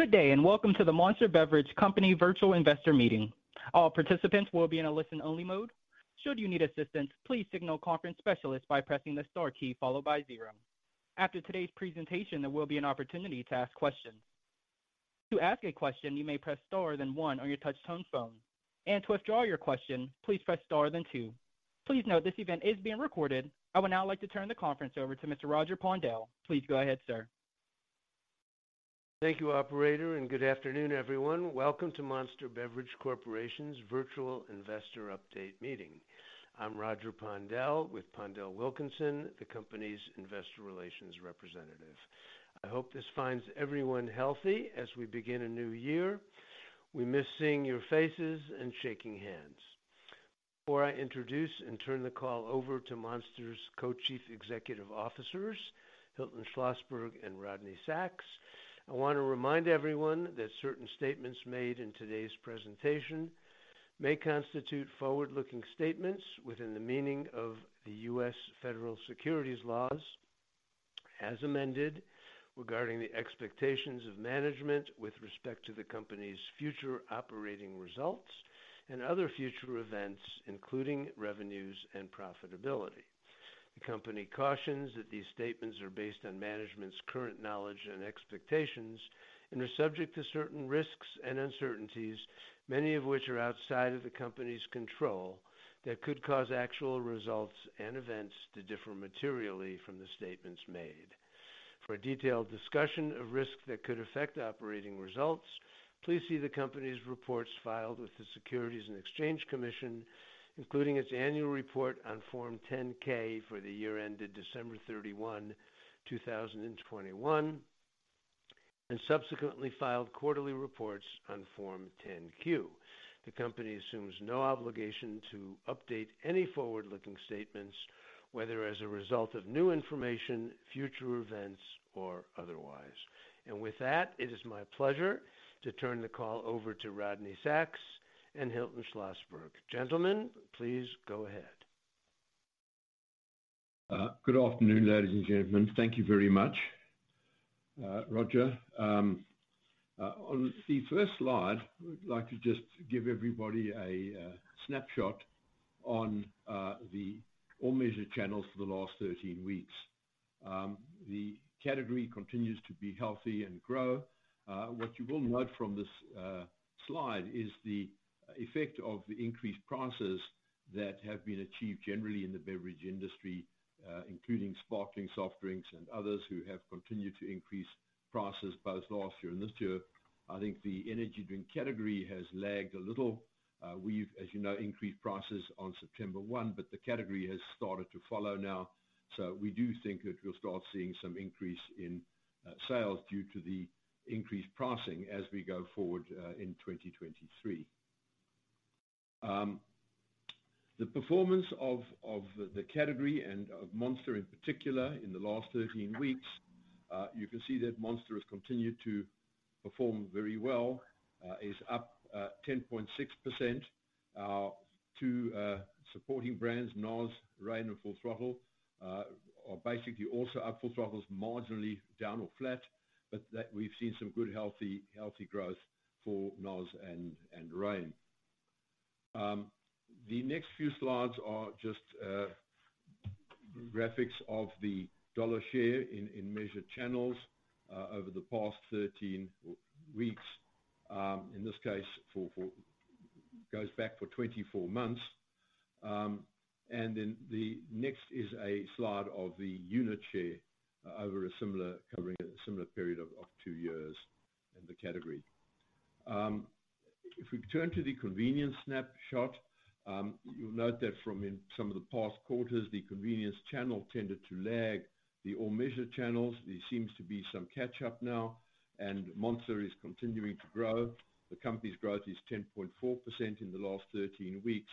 Good day, and welcome to the Monster Beverage Company Virtual Investor Meeting. All participants will be in a listen-only mode. Should you need assistance, please signal conference specialist by pressing the star key followed by zero. After today's presentation, there will be an opportunity to ask questions. To ask a question, you may press star then one on your touch tone phone. To withdraw your question, please press star then two. Please note this event is being recorded. I would now like to turn the conference over to Mr. Roger Pondel. Please go ahead, sir. Thank you, operator, and good afternoon, everyone. Welcome to Monster Beverage Corporation's virtual investor update meeting. I'm Roger Pondel with PondelWilkinson, the company's investor relations representative. I hope this finds everyone healthy as we begin a new year. We miss seeing your faces and shaking hands. Before I introduce and turn the call over to Monster's co-chief executive officers, Hilton Schlosberg and Rodney Sacks, I wanna remind everyone that certain statements made in today's presentation may constitute forward-looking statements within the meaning of the U.S. Federal Securities laws as amended regarding the expectations of management with respect to the company's future operating results and other future events, including revenues and profitability. The company cautions that these statements are based on management's current knowledge and expectations and are subject to certain risks and uncertainties, many of which are outside of the company's control, that could cause actual results and events to differ materially from the statements made. For a detailed discussion of risks that could affect operating results, please see the company's reports filed with the Securities and Exchange Commission, including its annual report on Form 10-K for the year ended December 31, 2021, and subsequently filed quarterly reports on Form 10-Q. The company assumes no obligation to update any forward-looking statements, whether as a result of new information, future events, or otherwise. With that, it is my pleasure to turn the call over to Rodney Sacks and Hilton Schlosberg. Gentlemen, please go ahead. Good afternoon, ladies and gentlemen. Thank you very much, Roger. On the first slide, I would like to just give everybody a snapshot on the all measured channels for the last 13 weeks. The category continues to be healthy and grow. What you will note from this slide is the effect of the increased prices that have been achieved generally in the beverage industry, including sparkling soft drinks and others who have continued to increase prices both last year and this year. I think the energy drink category has lagged a little. We've, as you know, increased prices on September 1, but the category has started to follow now. We do think that we'll start seeing some increase in sales due to the increased pricing as we go forward in 2023. The performance of the category and of Monster in particular in the last 13 weeks, you can see that Monster has continued to perform very well. Is up 10.6%. Our two supporting brands, NOS, Reign and Full Throttle, are basically also up. Full Throttle is marginally down or flat, but that we've seen some good, healthy growth for NOS and Reign. The next few slides are just graphics of the dollar share in measured channels over the past 13 weeks. In this case, for goes back for 24 months. The next is a slide of the unit share over a similar covering a similar period of 2 years in the category. If we turn to the convenience snapshot, you'll note that from in some of the past quarters, the convenience channel tended to lag. The all measured channels, there seems to be some catch up now, and Monster is continuing to grow. The company's growth is 10.4% in the last 13 weeks.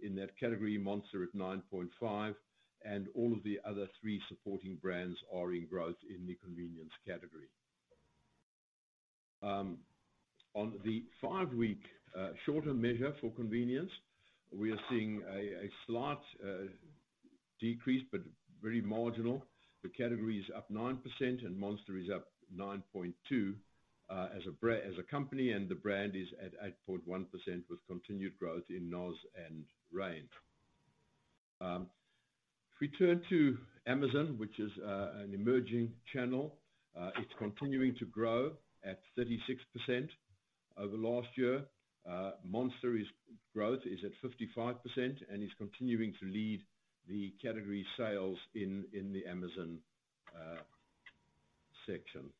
In that category, Monster at 9.5%, and all of the other 3 supporting brands are in growth in the convenience category. On the 5-week, shorter measure for convenience, we are seeing a slight decrease, but very marginal. The category is up 9% and Monster is up 9.2% as a company, and the brand is at 8.1% with continued growth in NOS and Reign. If we turn to Amazon, which is an emerging channel, it's continuing to grow at 36% over last year. Monster's growth is at 55% and is continuing to lead the category sales in the Amazon section.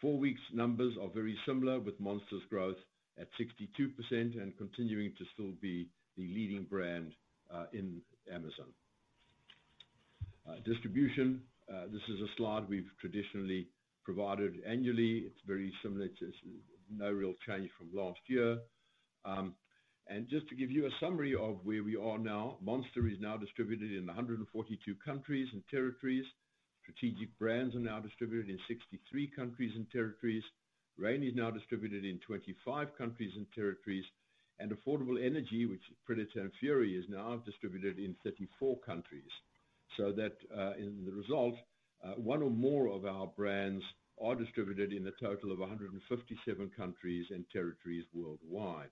4 weeks numbers are very similar with Monster's growth at 62% and continuing to still be the leading brand in Amazon. Distribution. This is a slide we've traditionally provided annually. It's very similar to no real change from last year. Just to give you a summary of where we are now, Monster is now distributed in 142 countries and territories. Strategic brands are now distributed in 63 countries and territories. Reign is now distributed in 25 countries and territories. Affordable Energy, which is Predator and Fury, is now distributed in 34 countries. That, in the result, one or more of our brands are distributed in a total of 157 countries and territories worldwide.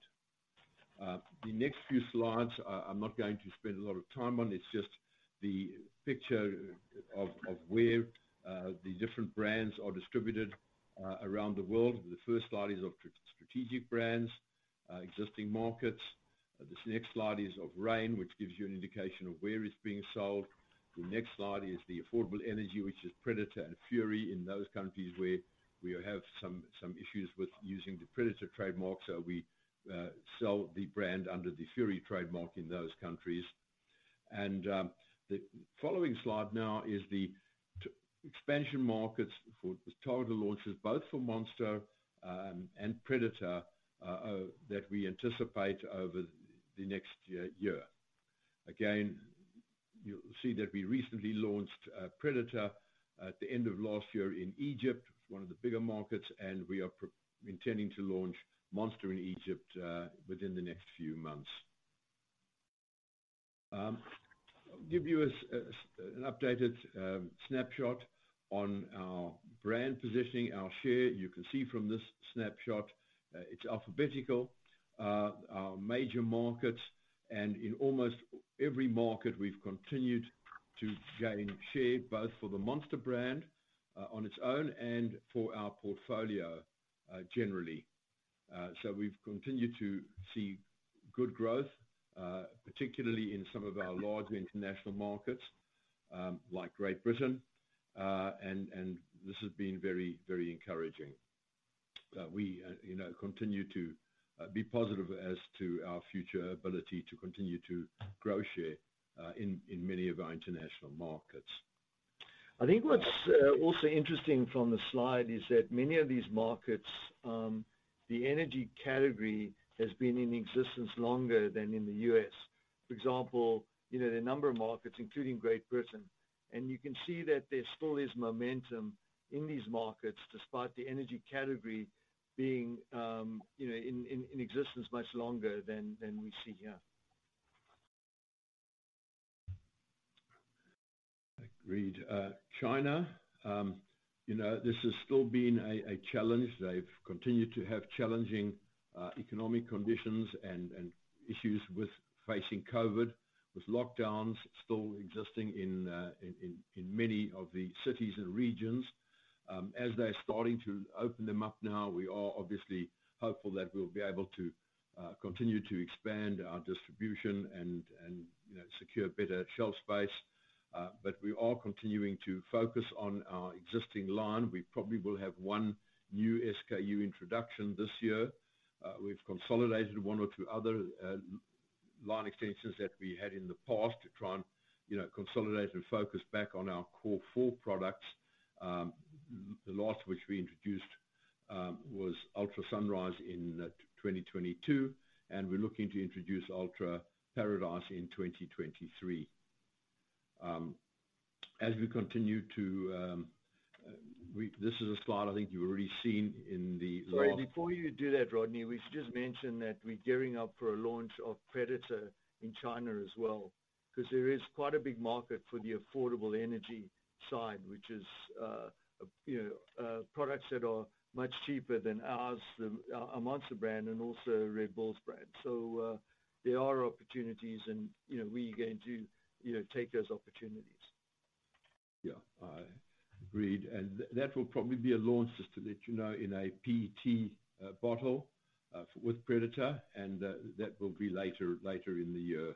The next few slides, I'm not going to spend a lot of time on, it's just the picture of where the different brands are distributed around the world. The first slide is of strategic brands, existing markets. This next slide is of Reign, which gives you an indication of where it's being sold. The next slide is the Affordable Energy, which is Predator and Fury in those countries where we have some issues with using the Predator trademark. We sell the brand under the Fury trademark in those countries. The following slide now is the expansion markets for the targeted launches, both for Monster and Predator that we anticipate over the next year. You'll see that we recently launched Predator at the end of last year in Egypt, one of the bigger markets, and we are intending to launch Monster in Egypt within the next few months. Give you an updated snapshot on our brand positioning, our share. You can see from this snapshot, it's alphabetical. Our major markets and in almost every market, we've continued to gain share both for the Monster brand on its own and for our portfolio generally. We've continued to see good growth, particularly in some of our larger international markets, like Great Britain. This has been very encouraging, that we, you know, continue to be positive as to our future ability to continue to grow share, in many of our international markets. I think what's also interesting from the slide is that many of these markets, the energy category has been in existence longer than in the U.S. For example, you know, there are a number of markets, including Great Britain, you can see that there still is momentum in these markets despite the energy category being, you know, in existence much longer than we see here. Agreed. China, you know, this has still been a challenge. They've continued to have challenging economic conditions and issues with facing COVID, with lockdowns still existing in many of the cities and regions. As they're starting to open them up now, we are obviously hopeful that we'll be able to continue to expand our distribution and, you know, secure better shelf space. We are continuing to focus on our existing line. We probably will have one new SKU introduction this year. We've consolidated one or two other line extensions that we had in the past to try and, you know, consolidate and focus back on our core four products. The last of which we introduced, was Ultra Sunrise in 2022, and we're looking to introduce Ultra Paradise in 2023. As we continue to. This is a slide I think you've already seen in the last. Sorry, before you do that, Rodney, we should just mention that we're gearing up for a launch of Predator in China as well. 'Cause there is quite a big market for the affordable energy side, which is, you know, products that are much cheaper than ours, the, our Monster brand and also Red Bull's brand. There are opportunities and, you know, we're going to, you know, take those opportunities. Yeah. Agreed. That will probably be a launch, just to let you know, in a PET bottle, with Predator, and that will be later in the year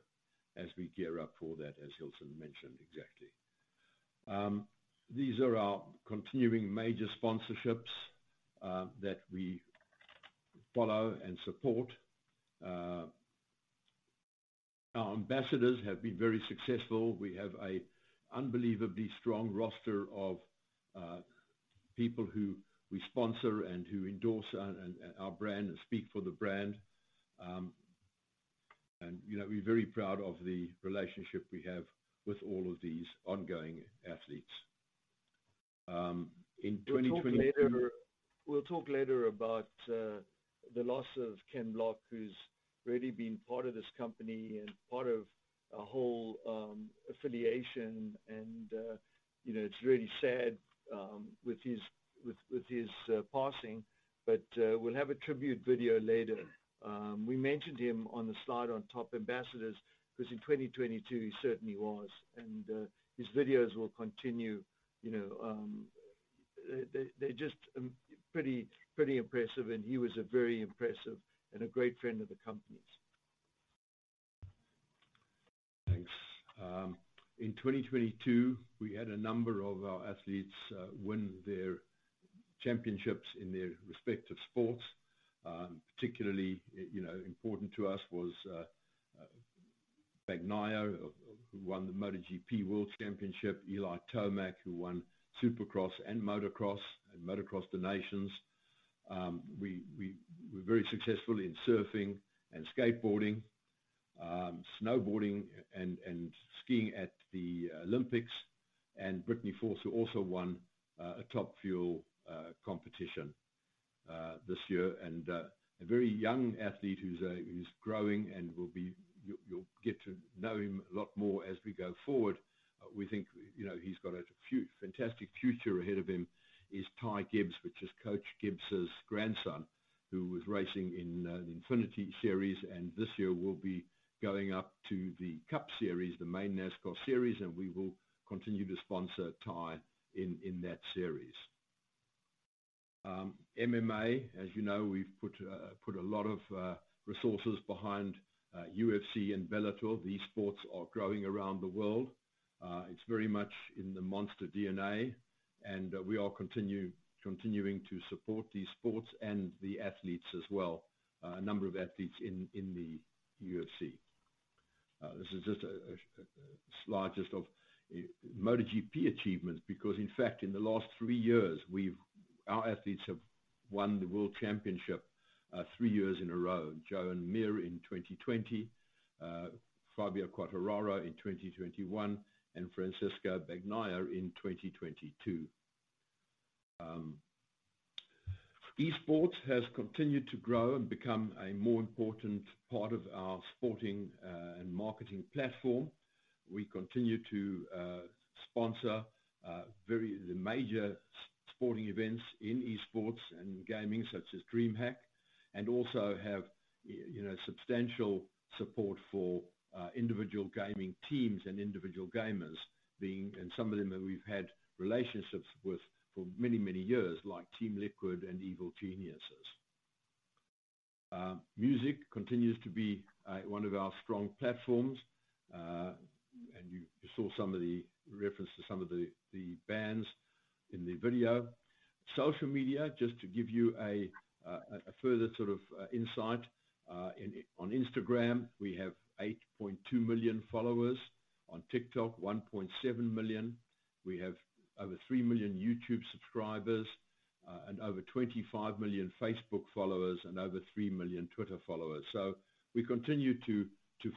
as we gear up for that, as Hilton mentioned. Exactly. These are our continuing major sponsorships, that we follow and support. Our ambassadors have been very successful. We have a unbelievably strong roster of people who we sponsor and who endorse our brand and speak for the brand. You know, we're very proud of the relationship we have with all of these ongoing athletes. In 2020 We'll talk later. We'll talk later about the loss of Ken Block, who's really been part of this company and part of our whole affiliation and, you know, it's really sad with his passing. We'll have a tribute video later. We mentioned him on the slide on top ambassadors, 'cause in 2022 he certainly was. His videos will continue, you know, they just pretty impressive, and he was a very impressive and a great friend of the company's. Thanks. In 2022, we had a number of our athletes win their championships in their respective sports. Particularly, you know, important to us was Bagnaia who won the MotoGP World Championship. Eli Tomac, who won Supercross and Motocross, and Motocross of Nations. We're very successful in surfing and skateboarding, snowboarding and skiing at the Olympics. Brittany Force, who also won a Top Fuel competition this year. A very young athlete who's growing and will be. You'll get to know him a lot more as we go forward. We think, you know, he's got a fantastic future ahead of him, is Ty Gibbs, which is Coach Gibbs' grandson, who was racing in the Xfinity Series. This year will be going up to the Cup Series, the main NASCAR series. We will continue to sponsor Ty in that series. MMA, as you know, we've put a lot of resources behind UFC and Bellator. These sports are growing around the world. It's very much in the Monster DNA. We are continuing to support these sports and the athletes as well, a number of athletes in the UFC. This is just a slide just of MotoGP achievements because, in fact, in the last 3 years, our athletes have won the world championship, 3 years in a row. Joan Mir in 2020, Fabio Quartararo in 2021, and Francesco Bagnaia in 2022. Esports has continued to grow and become a more important part of our sporting and marketing platform. We continue to sponsor the major sporting events in esports and gaming, such as DreamHack, and also have, you know, substantial support for individual gaming teams and individual gamers and some of them that we've had relationships with for many, many years, like Team Liquid and Evil Geniuses. Music continues to be one of our strong platforms, and you saw some of the reference to some of the bands in the video. Social media, just to give you a further sort of insight, on Instagram, we have 8.2 million followers. On TikTok, 1.7 million. We have over 3 million YouTube subscribers, and over 25 million Facebook followers, and over 3 million Twitter followers. We continue to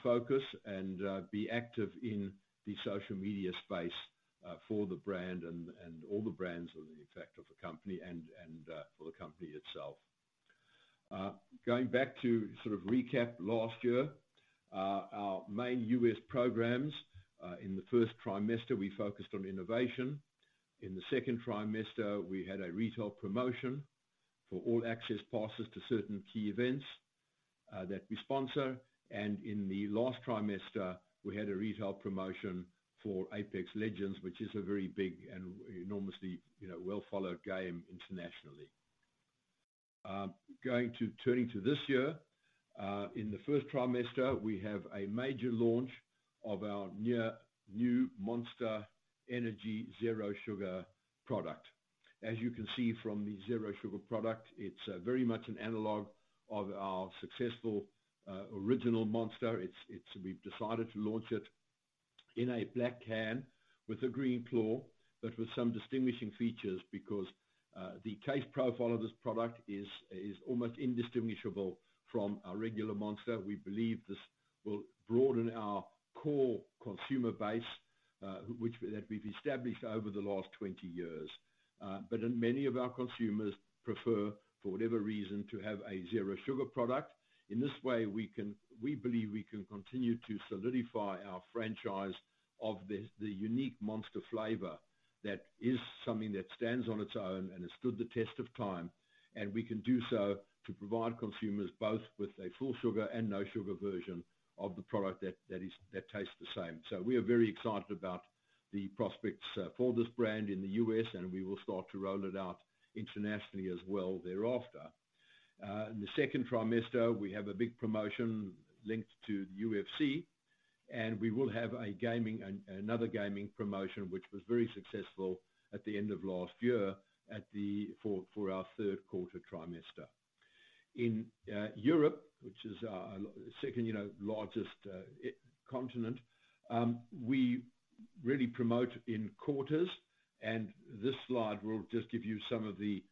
focus and be active in the social media space for the brand and all the brands for the effect of the company and for the company itself. Going back to sort of recap last year, our main U.S. programs, in the first trimester, we focused on innovation. In the second trimester, we had a retail promotion for all-access passes to certain key events that we sponsor. In the last trimester, we had a retail promotion for Apex Legends, which is a very big and enormously, you know, well followed game internationally. Going to. Turning to this year, in the first trimester, we have a major launch of our new Monster Energy Zero Sugar product. As you can see from the Zero Sugar product, it's very much an analog of our successful, original Monster. It's we've decided to launch it in a black can with a green claw, but with some distinguishing features because the case profile of this product is almost indistinguishable from our regular Monster. We believe this will broaden our core consumer base, that we've established over the last 20 years. Many of our consumers prefer, for whatever reason, to have a zero sugar product. In this way, we can. We believe we can continue to solidify our franchise of this, the unique Monster flavor that is something that stands on its own and has stood the test of time, and we can do so to provide consumers both with a full sugar and no sugar version of the product that is, that tastes the same. We are very excited about the prospects for this brand in the U.S., and we will start to roll it out internationally as well thereafter. In the second trimester, we have a big promotion linked to UFC, and we will have another gaming promotion, which was very successful at the end of last year for our third quarter trimester. In Europe, which is our second, you know, largest continent, we really promote in quarters, and this slide will just give you some of the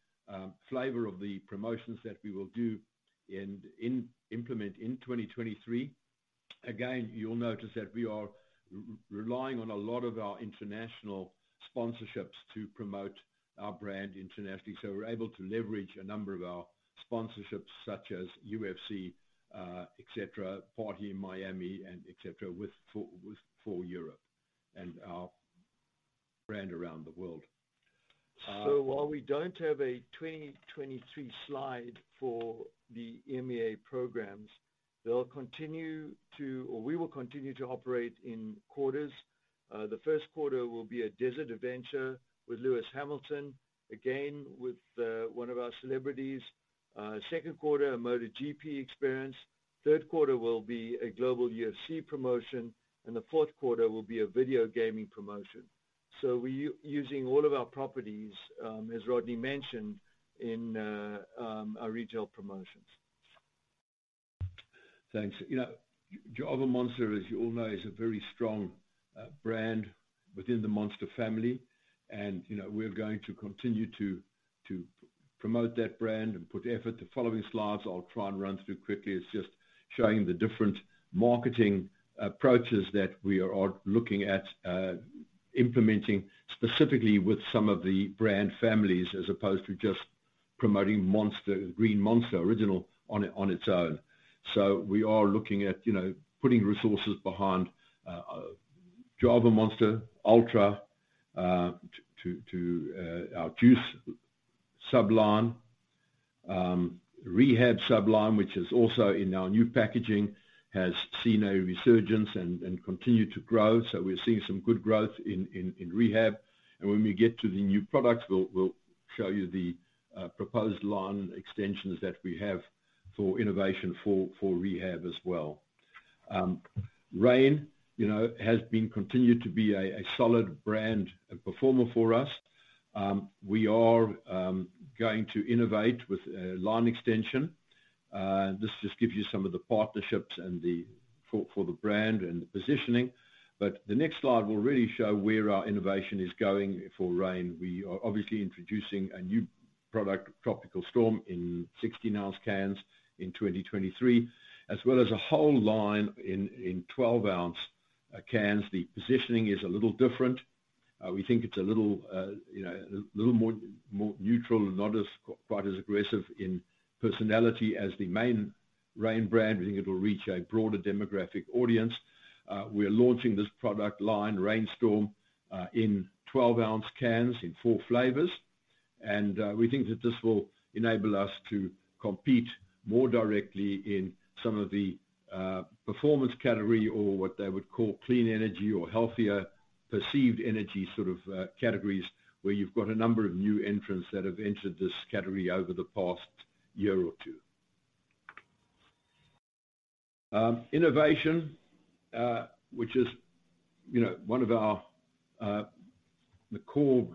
flavor of the promotions that we will do implement in 2023. Again, you'll notice that we are relying on a lot of our international sponsorships to promote our brand internationally. We're able to leverage a number of our sponsorships such as UFC, et cetera, Party in Miami and et cetera, for Europe and our brand around the world. While we don't have a 2023 slide for the MEA programs, they'll continue to or we will continue to operate in quarters. The 1st quarter will be a desert adventure with Lewis Hamilton, again with one of our celebrities. 2nd quarter, a MotoGP experience. 3rd quarter will be a global UFC promotion, and the 4th quarter will be a video gaming promotion. We using all of our properties, as Rodney mentioned, in our retail promotions. Thanks. You know, Java Monster, as you all know, is a very strong brand within the Monster family. We're going to continue to promote that brand and put effort. The following slides I'll try and run through quickly. It's just showing the different marketing approaches that we are looking at implementing specifically with some of the brand families, as opposed to just promoting Monster, Green Monster Original on its own. We are looking at, you know, putting resources behind Java Monster, Ultra, to our juice sub-line. Rehab sub-line, which is also in our new packaging, has seen a resurgence and continued to grow, so we're seeing some good growth in Rehab. When we get to the new products, we'll show you the proposed line extensions that we have for innovation for Rehab as well. Reign, you know, has been continued to be a solid brand and performer for us. We are going to innovate with a line extension. This just gives you some of the partnerships and the for the brand and the positioning. The next slide will really show where our innovation is going for Reign. We are obviously introducing a new product, Tropical Storm, in 16-ounce cans in 2023, as well as a whole line in 12-ounce cans. The positioning is a little different. We think it's a little, you know, a little more neutral and not quite as aggressive in personality as the main Reign brand. We think it'll reach a broader demographic audience. We're launching this product line, Reign Storm, in 12-ounce cans in four flavors. We think that this will enable us to compete more directly in some of the performance category or what they would call clean energy or healthier perceived energy sort of categories, where you've got a number of new entrants that have entered this category over the past year or two. Innovation, which is, you know, one of our, the core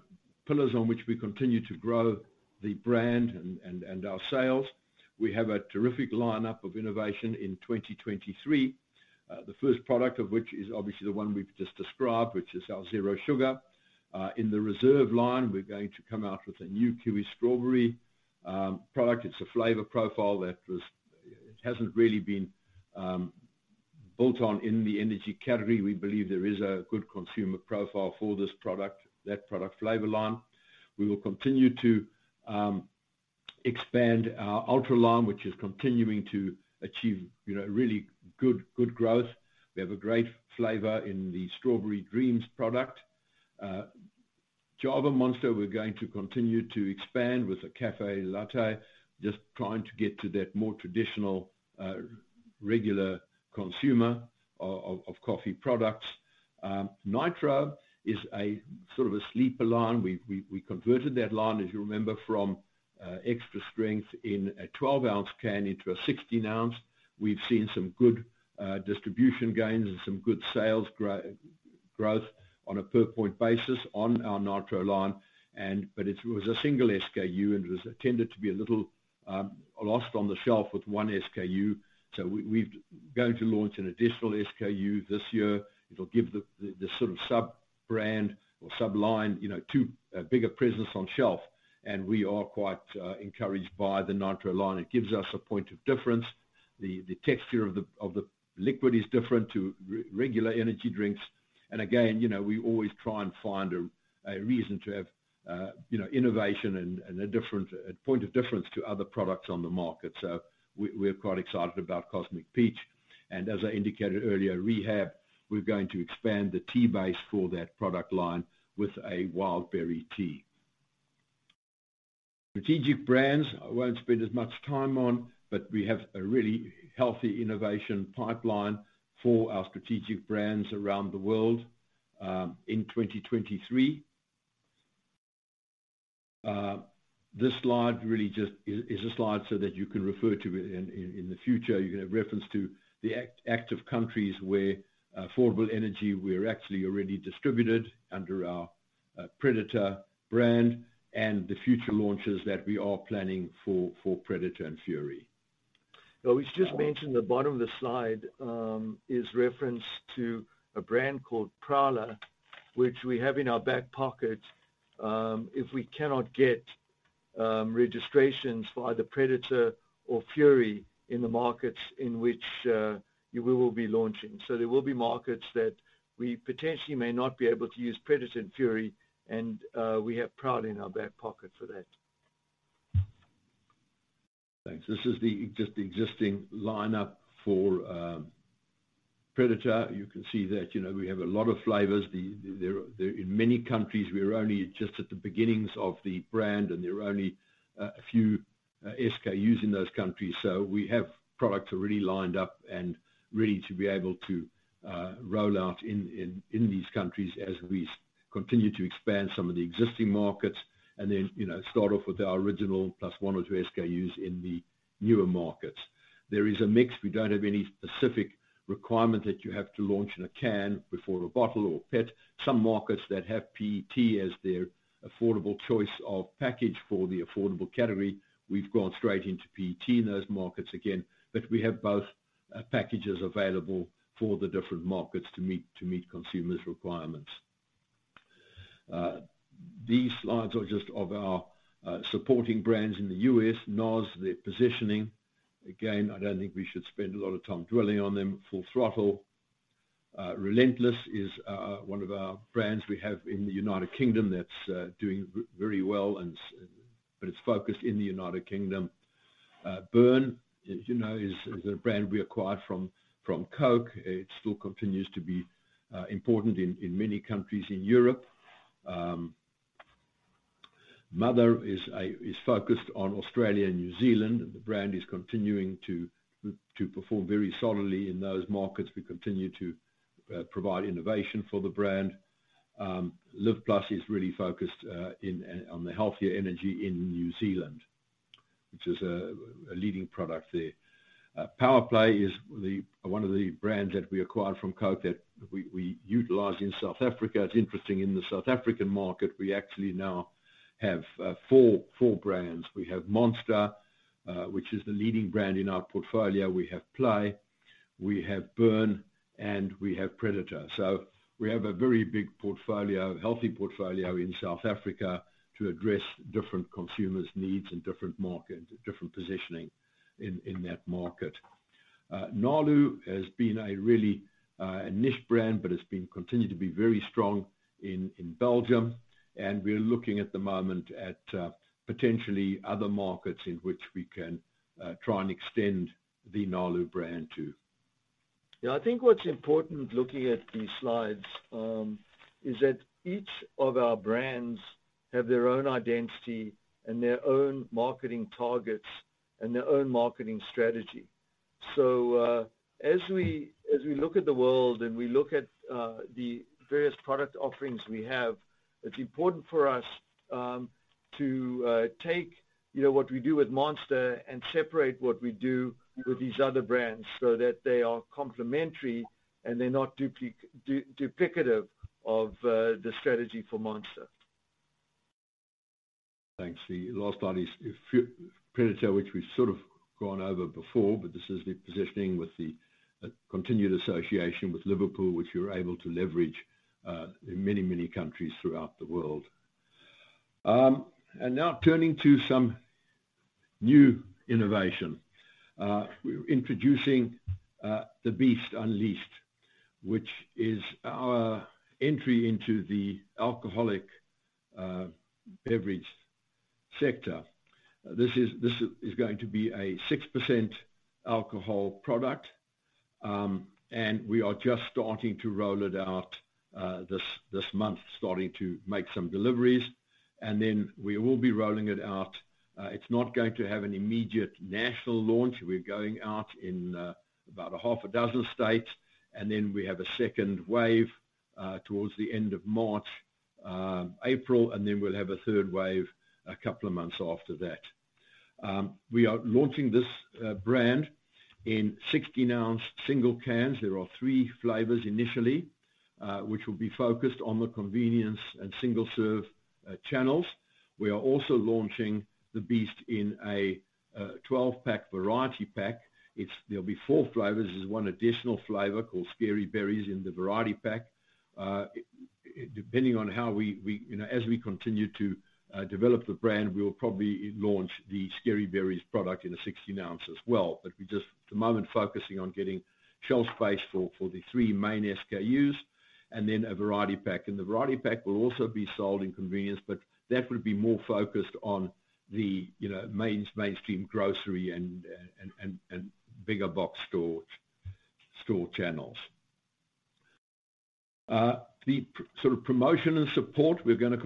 pillars on which we continue to grow the brand and our sales. We have a terrific lineup of innovation in 2023. The first product of which is obviously the one we've just described, which is our Zero Sugar. In the Reserve line, we're going to come out with a new kiwi strawberry product. It's a flavor profile that hasn't really been built on in the energy category. We believe there is a good consumer profile for this product, that product flavor line. We will continue to expand our Ultra line, which is continuing to achieve, you know, really good growth. We have a great flavor in the Strawberry Dreams product. Java Monster, we're going to continue to expand with the café latte, just trying to get to that more traditional regular consumer of coffee products. Nitro is a sort of a sleeper line. We converted that line, as you remember, from extra strength in a 12-ounce can into a 16-ounce. We've seen some good distribution gains and some good sales growth on a per point basis on our Nitro line. It was a single SKU. It was tended to be a little lost on the shelf with 1 SKU. We're going to launch an additional SKU this year. It'll give the sort of sub-brand or sub-line a bigger presence on shelf. We are quite encouraged by the Nitro line. It gives us a point of difference. The texture of the liquid is different to regular energy drinks. Again, we always try and find a reason to have innovation and a point of difference to other products on the market. We're quite excited about Cosmic Peach. As I indicated earlier, Rehab, we're going to expand the tea base for that product line with a wild berry tea. Strategic brands, I won't spend as much time on. We have a really healthy innovation pipeline for our strategic brands around the world, in 2023. This slide really just is a slide so that you can refer to it in the future. You can have reference to the active countries where Affordable Energy, we're actually already distributed under our Predator brand and the future launches that we are planning for Predator and Fury. We should just mention the bottom of the slide, is reference to a brand called Prowler, which we have in our back pocket, if we cannot get registrations for either Predator or Fury in the markets in which, we will be launching. There will be markets that we potentially may not be able to use Predator and Fury, and, we have Prowler in our back pocket for that. Thanks. This is the existing lineup for Predator. You can see that, you know, we have a lot of flavors. In many countries, we are only just at the beginnings of the brand, and there are only a few SKUs in those countries. We have products already lined up and ready to be able to roll out in these countries as we continue to expand some of the existing markets and then, you know, start off with our original plus 1 or 2 SKUs in the newer markets. There is a mix. We don't have any specific requirement that you have to launch in a can before a bottle or PET. Some markets that have PET as their affordable choice of package for the affordable category, we've gone straight into PET in those markets again. We have both packages available for the different markets to meet consumers' requirements. These slides are just of our supporting brands in the U.S. NOS, their positioning. Again, I don't think we should spend a lot of time dwelling on them. Full Throttle. Relentless is one of our brands we have in the United Kingdom that's doing very well but it's focused in the United Kingdom. Burn, as you know, is a brand we acquired from Coke. It still continues to be important in many countries in Europe. Mother is focused on Australia and New Zealand, and the brand is continuing to perform very solidly in those markets. We continue to provide innovation for the brand. LIV+ is really focused in... on the healthier energy in New Zealand, which is a leading product there. Power Play is one of the brands that we acquired from Coke that we utilize in South Africa. It's interesting, in the South African market, we actually now have four brands. We have Monster, which is the leading brand in our portfolio. We have Play, we have Burn, and we have Predator. We have a very big portfolio, healthy portfolio in South Africa to address different consumers' needs in different market, different positioning in that market. Nalu has been a really a niche brand, but it's continued to be very strong in Belgium, and we're looking at the moment at potentially other markets in which we can try and extend the Nalu brand to. Yeah, I think what's important looking at these slides, is that each of our brands have their own identity and their own marketing targets and their own marketing strategy. As we look at the world and we look at the various product offerings we have, it's important for us to take, you know, what we do with Monster and separate what we do with these other brands so that they are complementary and they're not duplicative of the strategy for Monster. Thanks. The last slide is a few... Predator, which we've sort of gone over before, but this is the positioning with the continued association with Liverpool, which we're able to leverage in many, many countries throughout the world. Now turning to some new innovation. We're introducing The Beast Unleashed, which is our entry into the alcoholic beverage sector. This is going to be a 6% alcohol product, and we are just starting to roll it out this month, starting to make some deliveries. Then we will be rolling it out... it's not going to have an immediate national launch. We're going out in about a half a dozen states, and then we have a second wave towards the end of March, April, and then we'll have a third wave a couple of months after that. We are launching this brand in 16-ounce single cans. There are 3 flavors initially, which will be focused on the convenience and single-serve channels. We are also launching The Beast Unleashed in a 12-pack variety pack. There'll be 4 flavors. There's 1 additional flavor called Scary Berries in the variety pack. Depending on how we you know, as we continue to develop the brand, we'll probably launch the Scary Berries product in a 16 ounce as well. We're just at the moment focusing on getting shelf space for the 3 main SKUs and then a variety pack. The variety pack will also be sold in convenience, but that will be more focused on the, you know, mainstream grocery and, and bigger box store channels. The sort of promotion and support, we're gonna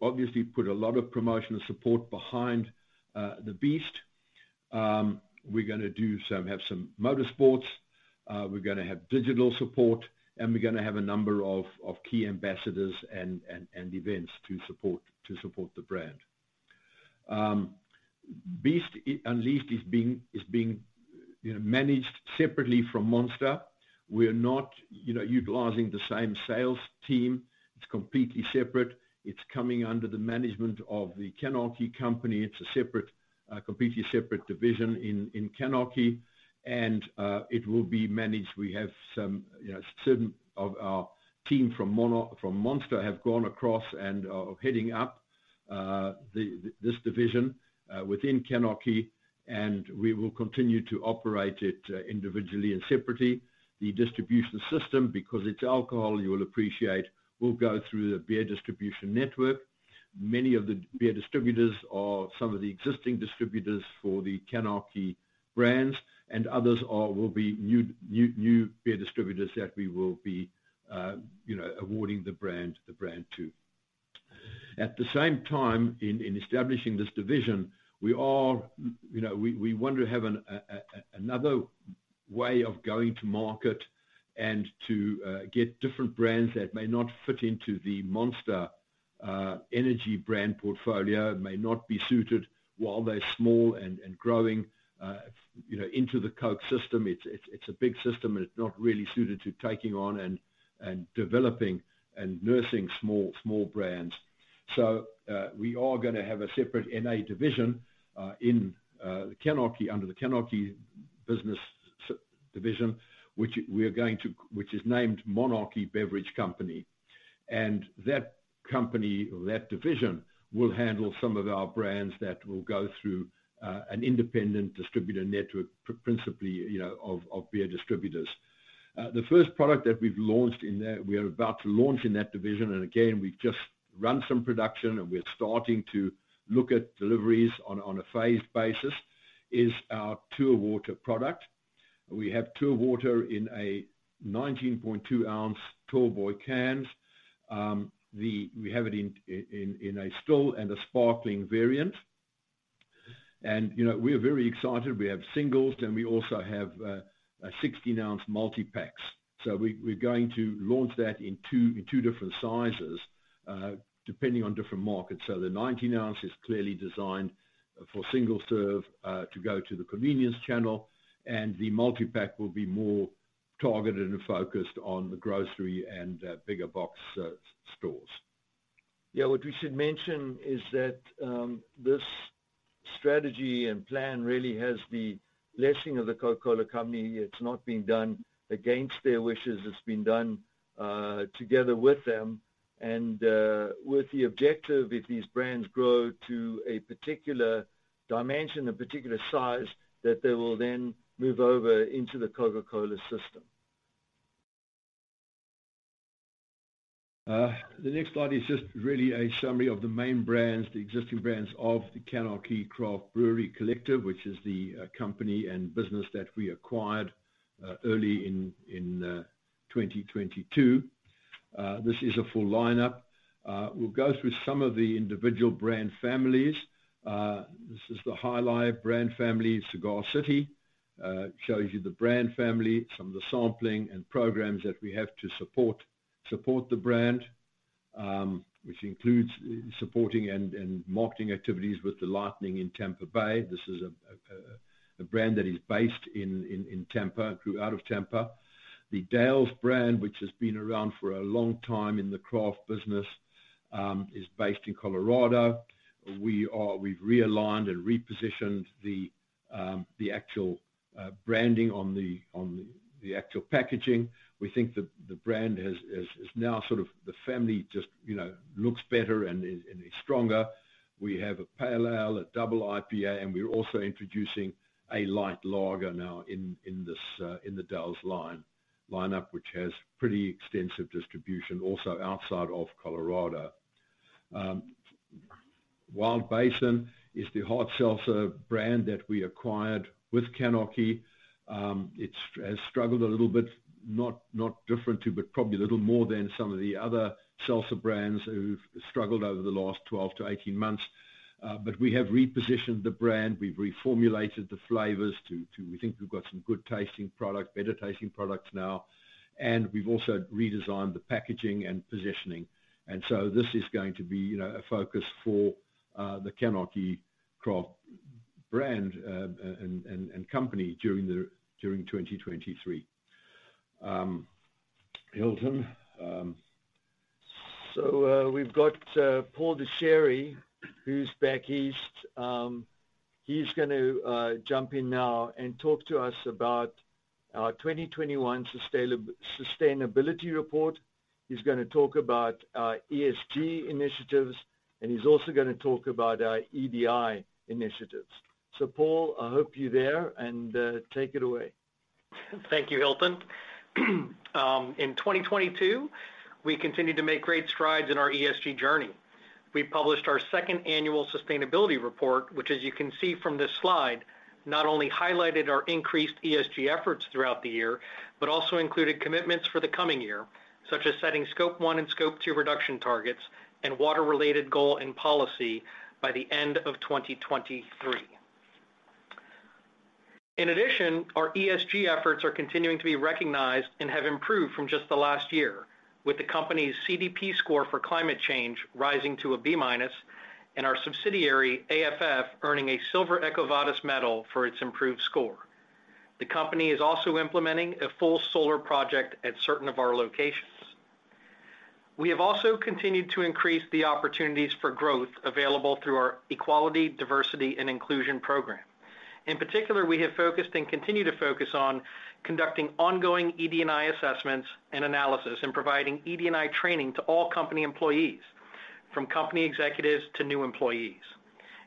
obviously put a lot of promotional support behind the Beast. We're gonna have some motorsports, we're gonna have digital support, and we're gonna have a number of key ambassadors and events to support the brand. Beast Unleashed is being, you know, managed separately from Monster. We're not, you know, utilizing the same sales team. It's completely separate. It's coming under the management of the CANarchy company. It's a separate, completely separate division in CANarchy, and it will be managed. We have some, you know, certain of our team from Monster have gone across and are heading up, the, this division, within CANarchy. We will continue to operate it, individually and separately. The distribution system, because it's alcohol, you will appreciate, will go through the beer distribution network. Many of the beer distributors are some of the existing distributors for the CANarchy brands. Others are, will be new beer distributors that we will be, you know, awarding the brand to. At the same time, in establishing this division, we are, you know, we want to have another way of going to market and to, get different brands that may not fit into the Monster Energy brand portfolio. It may not be suited while they're small and growing, you know, into the Coke system. It's a big system, and it's not really suited to taking on and developing and nursing small brands. We are gonna have a separate NA division in the CANarchy, under the CANarchy business division, which we're going to. Which is named Monarch Beverage Company. That company, or that division, will handle some of our brands that will go through an independent distributor network, principally, you know, of beer distributors. The first product that we've launched in that, we're about to launch in that division, and again, we've just run some production, and we're starting to look at deliveries on a phased basis, is our True Water product. We have True Water in a 19.2 ounce tall boy cans. We have it in a still and a sparkling variant. You know, we're very excited. We have singles, then we also have a 16-ounce multi-packs. We're going to launch that in two different sizes, depending on different markets. The 19-ounce is clearly designed for single serve, to go to the convenience channel, and the multi-pack will be more targeted and focused on the grocery and bigger box stores. Yeah. What we should mention is that this strategy and plan really has the blessing of The Coca-Cola Company. It's not being done against their wishes. It's been done together with them and with the objective, if these brands grow to a particular dimension, a particular size, that they will then move over into the Coca-Cola system. The next slide is just really a summary of the main brands, the existing brands of the CANarchy Craft Brewery Collective, which is the company and business that we acquired early in 2022. This is a full lineup. We'll go through some of the individual brand families. This is the Jai Alai brand family, Cigar City. Shows you the brand family, some of the sampling and programs that we have to support the brand, which includes supporting and marketing activities with the Tampa Bay Lightning in Tampa Bay. This is a brand that is based in Tampa, grew out of Tampa. The Dale's brand, which has been around for a long time in the craft business, is based in Colorado. We've realigned and repositioned the actual branding on the actual packaging. We think the brand is now sort of the family just, you know, looks better and is stronger. We have a pale ale, a double IPA, and we're also introducing a light lager now in this in the Dale's lineup, which has pretty extensive distribution also outside of Colorado. Wild Basin is the hard seltzer brand that we acquired with CANarchy. It has struggled a little bit, not different to, but probably a little more than some of the other seltzer brands who've struggled over the last 12-18 months. We have repositioned the brand. We've reformulated the flavors. We think we've got some good tasting product, better tasting products now. We've also redesigned the packaging and positioning. This is going to be, you know, a focus for the CANarchy craft brand and company during 2023. Hilton. We've got Paul DeChellis, who's back east. He's gonna jump in now and talk to us about our 2021 sustainability report. He's gonna talk about our ESG initiatives, and he's also gonna talk about our EDI initiatives. Paul, I hope you're there, and take it away. Thank you, Hilton. In 2022, we continued to make great strides in our ESG journey. We published our second annual sustainability report, which as you can see from this slide, not only highlighted our increased ESG efforts throughout the year, but also included commitments for the coming year, such as setting Scope 1 and Scope 2 reduction targets, and water related goal and policy by the end of 2023. Our ESG efforts are continuing to be recognized and have improved from just the last year, with the company's CDP score for climate change rising to a B-minus, and our subsidiary, AFF, earning a silver EcoVadis medal for its improved score. The company is also implementing a full solar project at certain of our locations. We have also continued to increase the opportunities for growth available through our equality, diversity, and inclusion program. In particular, we have focused and continue to focus on conducting ongoing ED&I assessments and analysis, and providing ED&I training to all company employees, from company executives to new employees.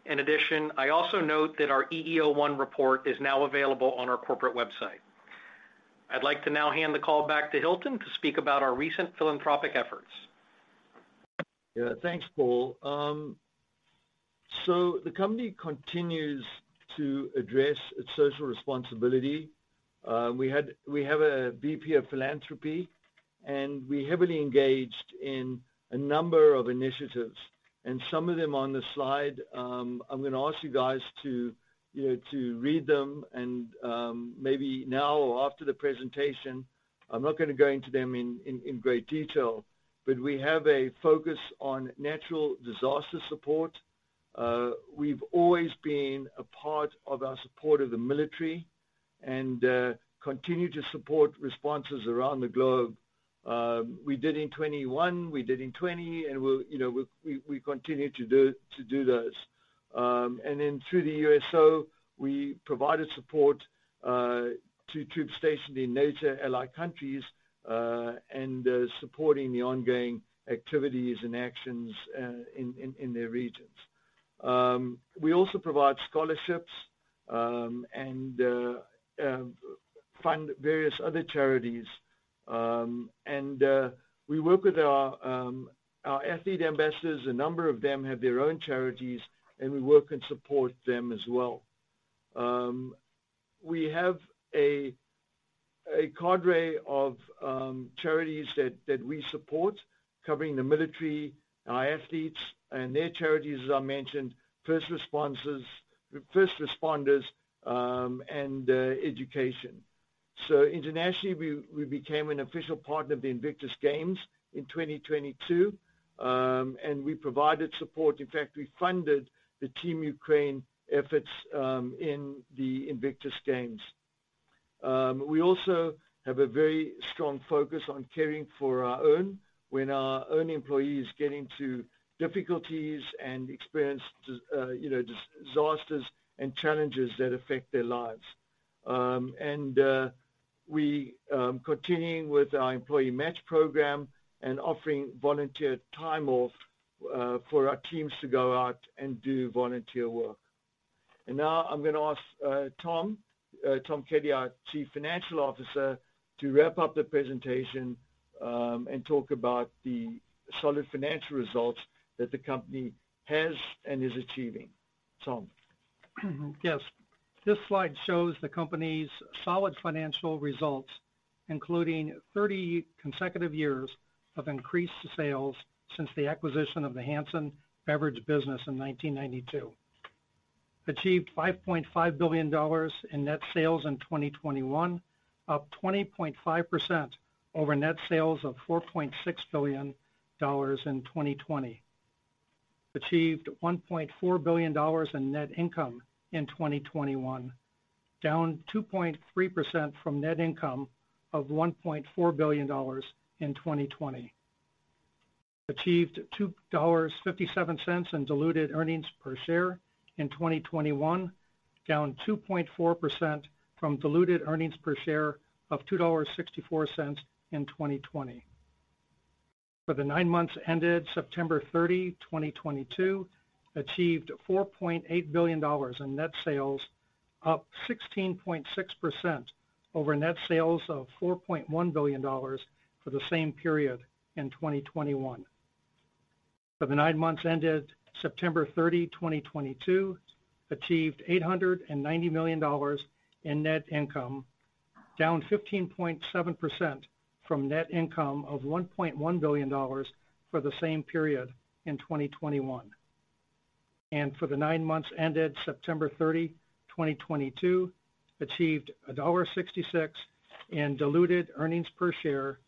In addition, I also note that our EEO-1 report is now available on our corporate website. I'd like to now hand the call back to Hilton to speak about our recent philanthropic efforts. Yeah. Thanks, Paul. The company continues to address its social responsibility. We have a VP of philanthropy, and we heavily engaged in a number of initiatives. Some of them on the slide, I'm gonna ask you guys to, you know, to read them and maybe now or after the presentation. I'm not gonna go into them in great detail, but we have a focus on natural disaster support. We've always been a part of our support of the military. Continue to support responses around the globe. We did in 2021, we did in 2020, and we'll, you know, we continue to do those. Through the USO, we provided support to troops stationed in NATO allied countries and supporting the ongoing activities and actions in their regions. We also provide scholarships and fund various other charities. We work with our athlete ambassadors. A number of them have their own charities, and we work and support them as well. We have a cadre of charities that we support covering the military, our athletes and their charities, as I mentioned, first responders and education. Internationally, we became an official partner of the Invictus Games in 2022. We provided support. In fact, we funded the team Ukraine efforts in the Invictus Games. We also have a very strong focus on caring for our own when our own employees get into difficulties and experience, you know, disasters and challenges that affect their lives. We continuing with our employee match program and offering volunteer time off for our teams to go out and do volunteer work. Now I'm gonna ask Tom Kelly, our Chief Financial Officer, to wrap up the presentation and talk about the solid financial results that the company has and is achieving. Tom. Yes. This slide shows the company's solid financial results, including 30 consecutive years of increased sales since the acquisition of the Hansen Beverage business in 1992. Achieved $5.5 billion in net sales in 2021, up 20.5% over net sales of $4.6 billion in 2020. Achieved $1.4 billion in net income in 2021, down 2.3% from net income of $1.4 billion in 2020. Achieved $2.57 in diluted earnings per share in 2021, down 2.4% from diluted earnings per share of $2.64 in 2020. For the 9 months ended September 30, 2022, achieved $4.8 billion in net sales, up 16.6% over net sales of $4.1 billion for the same period in 2021. For the 9 months ended September 30, 2022, achieved $890 million in net income, down 15.7% from net income of $1.1 billion for the same period in 2021. For the 9 months ended September 30, 2022, achieved $1.66 in diluted earnings per share,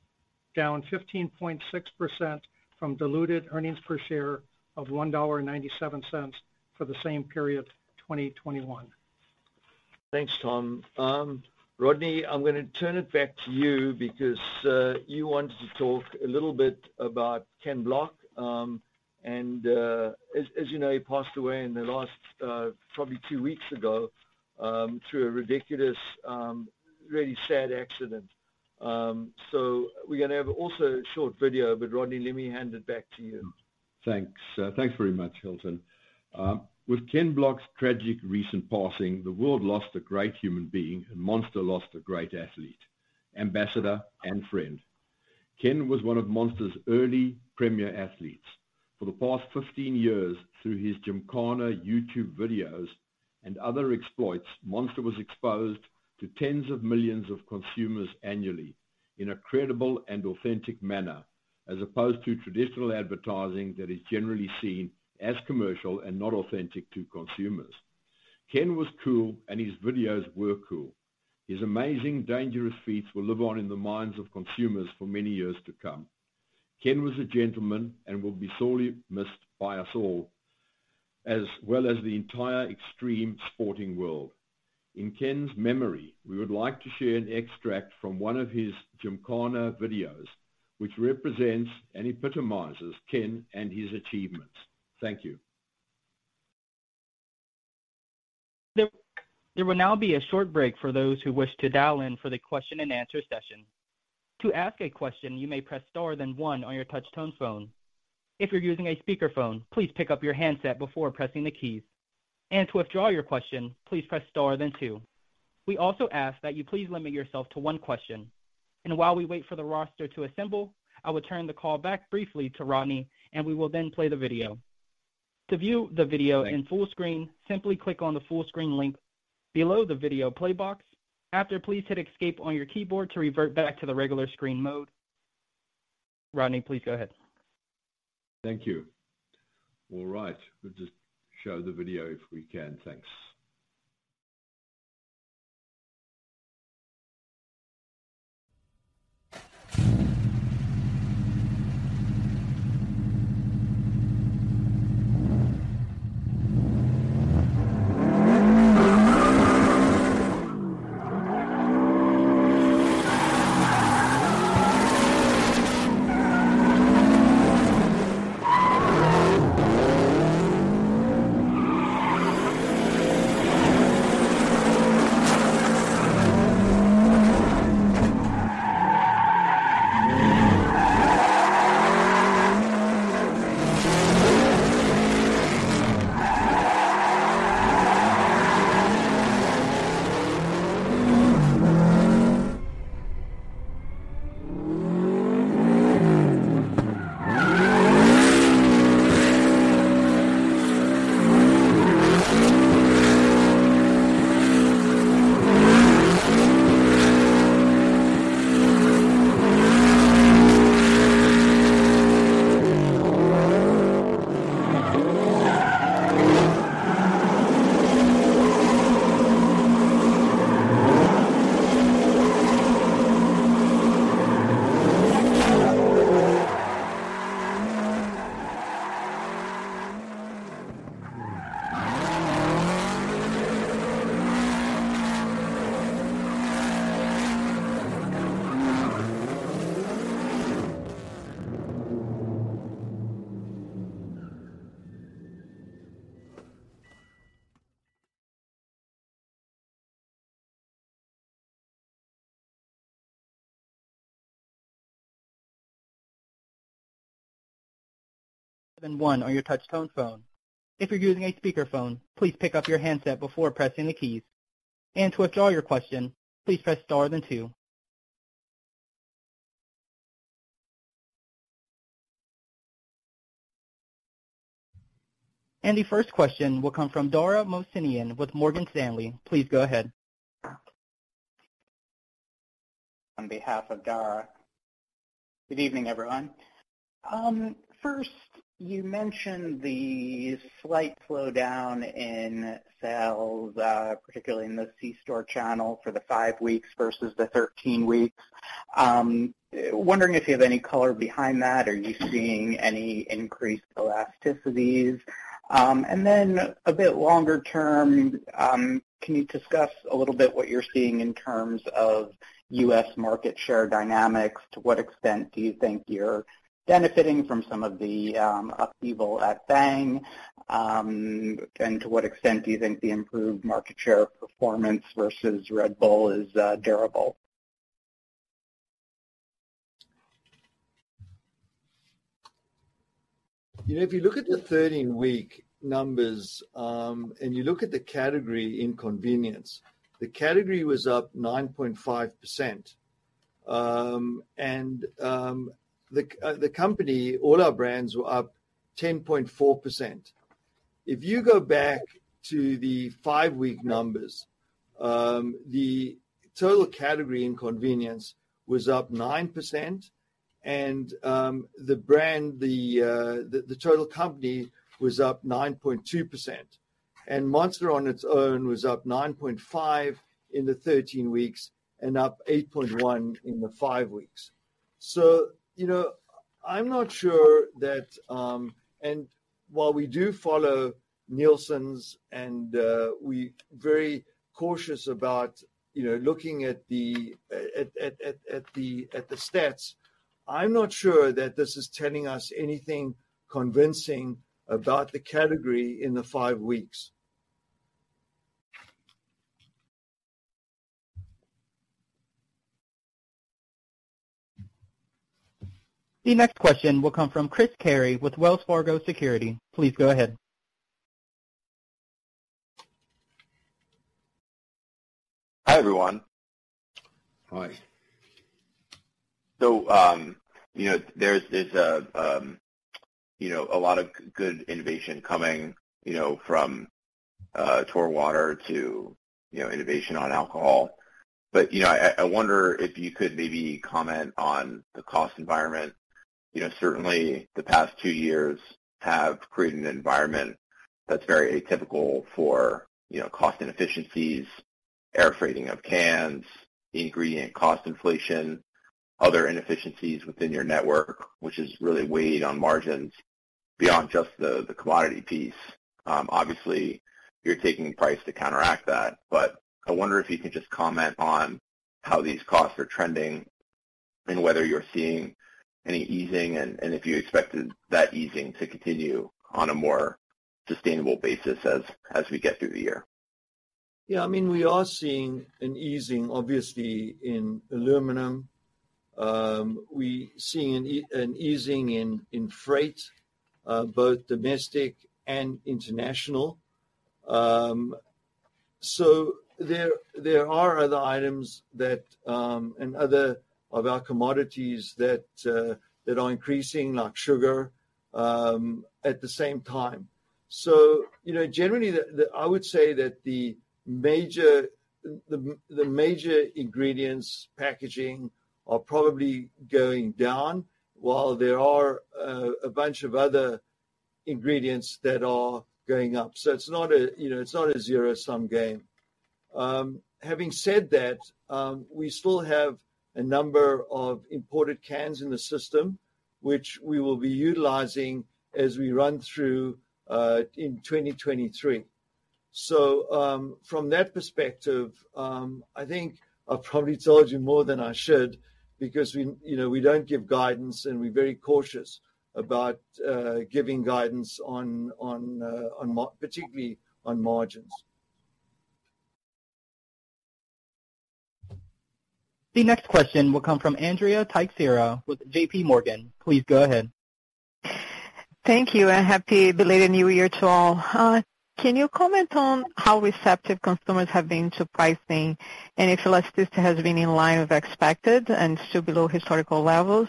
down 15.6% from diluted earnings per share of $1.97 for the same period, 2021. Thanks, Tom. Rodney, I'm gonna turn it back to you because you wanted to talk a little bit about Ken Block. As, as you know, he passed away in the last probably two weeks ago through a ridiculous, really sad accident. We're gonna have also a short video, but Rodney, let me hand it back to you. Thanks. Thanks very much, Hilton. With Ken Block's tragic recent passing, the world lost a great human being and Monster lost a great athlete, ambassador, and friend. Ken was one of Monster's early premier athletes. For the past 15 years through his Gymkhana YouTube videos and other exploits, Monster was exposed to tens of millions of consumers annually in a credible and authentic manner, as opposed to traditional advertising that is generally seen as commercial and not authentic to consumers. Ken was cool, and his videos were cool. His amazing, dangerous feats will live on in the minds of consumers for many years to come. Ken was a gentleman and will be sorely missed by us all, as well as the entire extreme sporting world. In Ken's memory, we would like to share an extract from one of his Gymkhana videos, which represents and epitomizes Ken and his achievements. Thank you. There will now be a short break for those who wish to dial in for the question and answer session. To ask a question, you may press star then 1 on your touch tone phone. If you're using a speakerphone, please pick up your handset before pressing the keys. To withdraw your question, please press star then 2. We also ask that you please limit yourself to 1 question. While we wait for the roster to assemble, I will turn the call back briefly to Rodney, and we will then play the video. To view the video in full screen, simply click on the full screen link below the video play box. After, please hit escape on your keyboard to revert back to the regular screen mode. Rodney, please go ahead. Thank you. All right. We'll just show the video if we can. Thanks. One on your touch-tone phone. If you're using a speakerphone, please pick up your handset before pressing the keys. To withdraw your question, please press star then two. The first question will come from Dara Mohsenian with Morgan Stanley. Please go ahead. On behalf of Dara. Good evening, everyone. First, you mentioned the slight slowdown in sales, particularly in the C-store channel for the five weeks versus the 13 weeks. Wondering if you have any color behind that. Are you seeing any increased elasticities? Then a bit longer term, can you discuss a little bit what you're seeing in terms of U.S. market share dynamics? To what extent do you think you're benefiting from some of the upheaval at Bang? To what extent do you think the improved market share performance versus Red Bull is durable? You know, if you look at the 13-week numbers, and you look at the category inconvenience, the category was up 9.5%. The company, all our brands were up 10.4%. If you go back to the 5-week numbers, the total category inconvenience was up 9% and the brand, the total company was up 9.2%. Monster on its own was up 9.5% in the 13 weeks and up 8.1% in the 5 weeks. You know, I'm not sure that. While we do follow Nielsen and we very cautious about, you know, looking at the stats, I'm not sure that this is telling us anything convincing about the category in the 5 weeks. The next question will come from Chris Carey with Wells Fargo Securities. Please go ahead. Hi, everyone. Hi. You know, there's a, you know, a lot of good innovation coming, you know, from True Water to, you know, innovation on alcohol. You know, I wonder if you could maybe comment on the cost environment. You know, certainly the past 2 years have created an environment that's very atypical for, you know, cost inefficiencies, air freighting of cans, ingredient cost inflation, other inefficiencies within your network, which has really weighed on margins beyond just the commodity piece. Obviously, you're taking price to counteract that. I wonder if you can just comment on how these costs are trending and whether you're seeing any easing and if you expected that easing to continue on a more sustainable basis as we get through the year. Yeah. I mean, we are seeing an easing, obviously, in aluminum. We seeing an easing in freight, both domestic and international. There are other items that, and other of our commodities that are increasing like sugar, at the same time. You know, generally the I would say that the major ingredients packaging are probably going down while there are a bunch of other ingredients that are going up. It's not a, you know, it's not a zero-sum game. Having said that, we still have a number of imported cans in the system, which we will be utilizing as we run through in 2023. From that perspective, I think I've probably told you more than I should because we, you know, we don't give guidance, and we're very cautious about giving guidance on particularly on margins. The next question will come from Andrea Teixeira with JP Morgan. Please go ahead. Thank you, and happy belated New Year to all. Can you comment on how receptive consumers have been to pricing and if elasticity has been in line with expected and still below historical levels?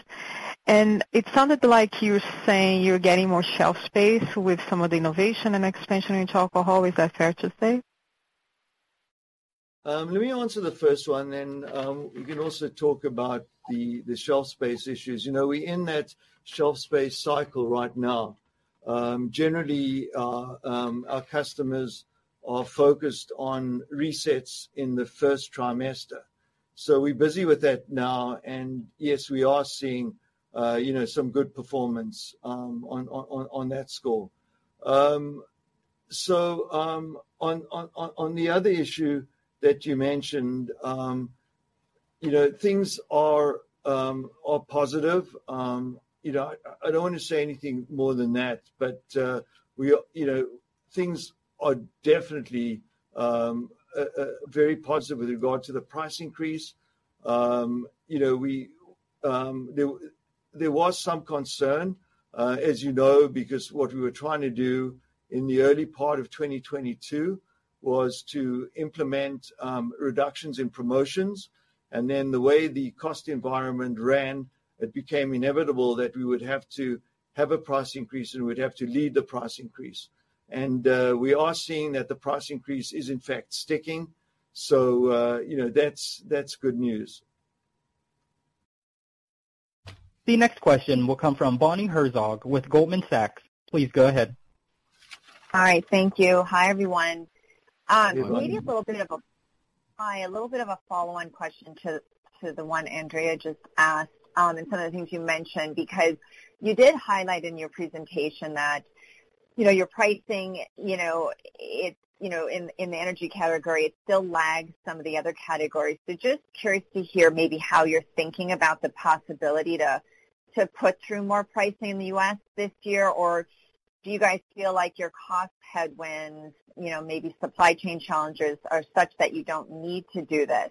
It sounded like you were saying you're getting more shelf space with some of the innovation and expansion into alcohol. Is that fair to say? Let me answer the first one, we can also talk about the shelf space issues. You know, we're in that shelf space cycle right now. Generally, our customers are focused on resets in the first trimester. We're busy with that now. Yes, we are seeing, you know, some good performance on that score. On the other issue that you mentioned, you know, things are positive. You know, I don't want to say anything more than that, we are. You know, things are definitely very positive with regard to the price increase. You know, we. There was some concern, as you know, because what we were trying to do in the early part of 2022 was to implement reductions in promotions. The way the cost environment ran, it became inevitable that we would have to have a price increase and we'd have to lead the price increase. We are seeing that the price increase is in fact sticking. You know, that's good news. The next question will come from Bonnie Herzog with Goldman Sachs. Please go ahead. All right, thank you. Hi, everyone. Yes, Bonnie. Maybe a little bit of a follow-on question to the one Andrea Teixeira just asked, and some of the things you mentioned, because you did highlight in your presentation that, you know, your pricing, you know, it's, you know, in the energy category, it still lags some of the other categories. Just curious to hear maybe how you're thinking about the possibility to put through more pricing in the U.S. this year. Do you guys feel like your cost headwinds, you know, maybe supply chain challenges are such that you don't need to do this?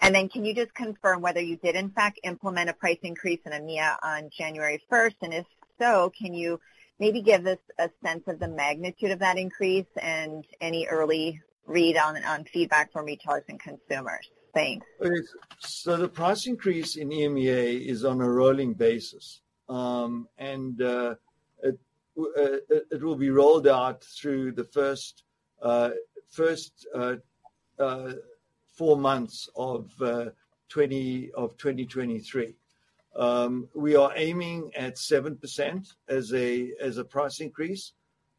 Can you just confirm whether you did in fact implement a price increase in EMEA on January first? If so, can you maybe give us a sense of the magnitude of that increase and any early read on feedback from retailers and consumers? Thanks. The price increase in EMEA is on a rolling basis. It will be rolled out through the first 4 months of 2023. We are aiming at 7% as a price increase,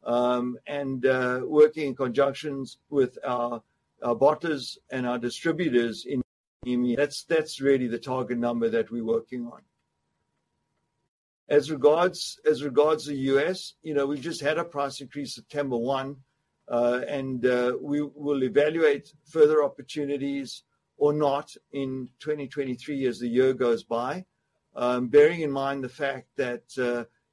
working in conjunction with our bottlers and our distributors in EMEA. That's really the target number that we're working on. As regards the US, you know, we just had a price increase September 1. We will evaluate further opportunities or not in 2023 as the year goes by, bearing in mind the fact that,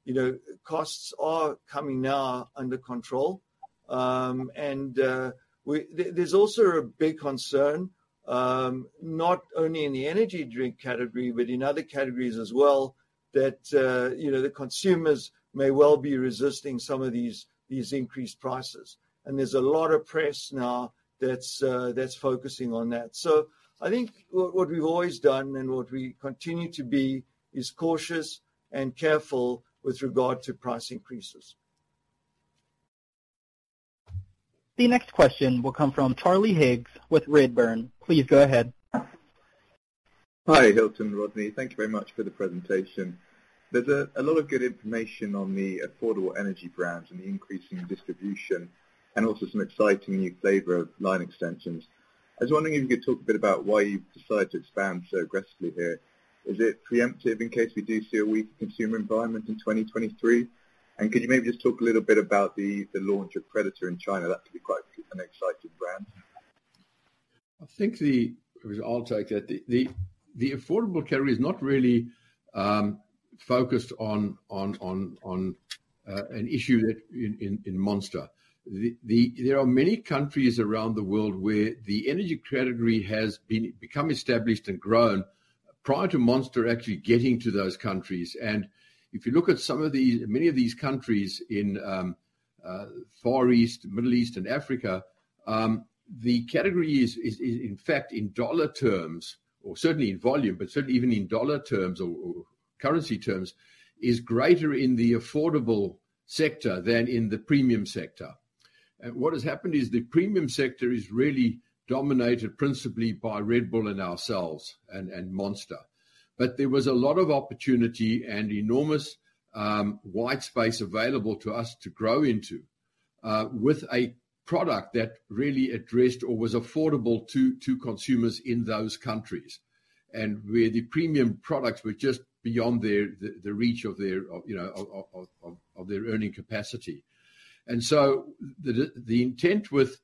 you know, costs are coming now under control. There's also a big concern, not only in the energy drink category, but in other categories as well, that, you know, the consumers may well be resisting some of these increased prices. There's a lot of press now that's focusing on that. I think what we've always done and what we continue to be is cautious and careful with regard to price increases. The next question will come from Carlos Laboy with Redburn. Please go ahead. Hi, Hilton, Rodney. Thank you very much for the presentation. There's a lot of good information on the affordable energy brands and the increasing distribution and also some exciting new flavor line extensions. I was wondering if you could talk a bit about why you've decided to expand so aggressively here. Is it preemptive in case we do see a weak consumer environment in 2023? Could you maybe just talk a little bit about the launch of Predator in China? That could be quite an exciting brand. I think Rodney, I'll take that. The affordable category is not really focused on an issue that in Monster. There are many countries around the world where the energy category has been become established and grown prior to Monster actually getting to those countries. If you look at some of the many of these countries in Far East, Middle East and Africa, the category is in fact, in dollar terms, or certainly in volume, but certainly even in dollar terms or currency terms, is greater in the affordable sector than in the premium sector. What has happened is the premium sector is really dominated principally by Red Bull and ourselves and Monster. There was a lot of opportunity and enormous white space available to us to grow into with a product that really addressed or was affordable to consumers in those countries, and where the premium products were just beyond their... the reach of their, you know, of their earning capacity. The intent with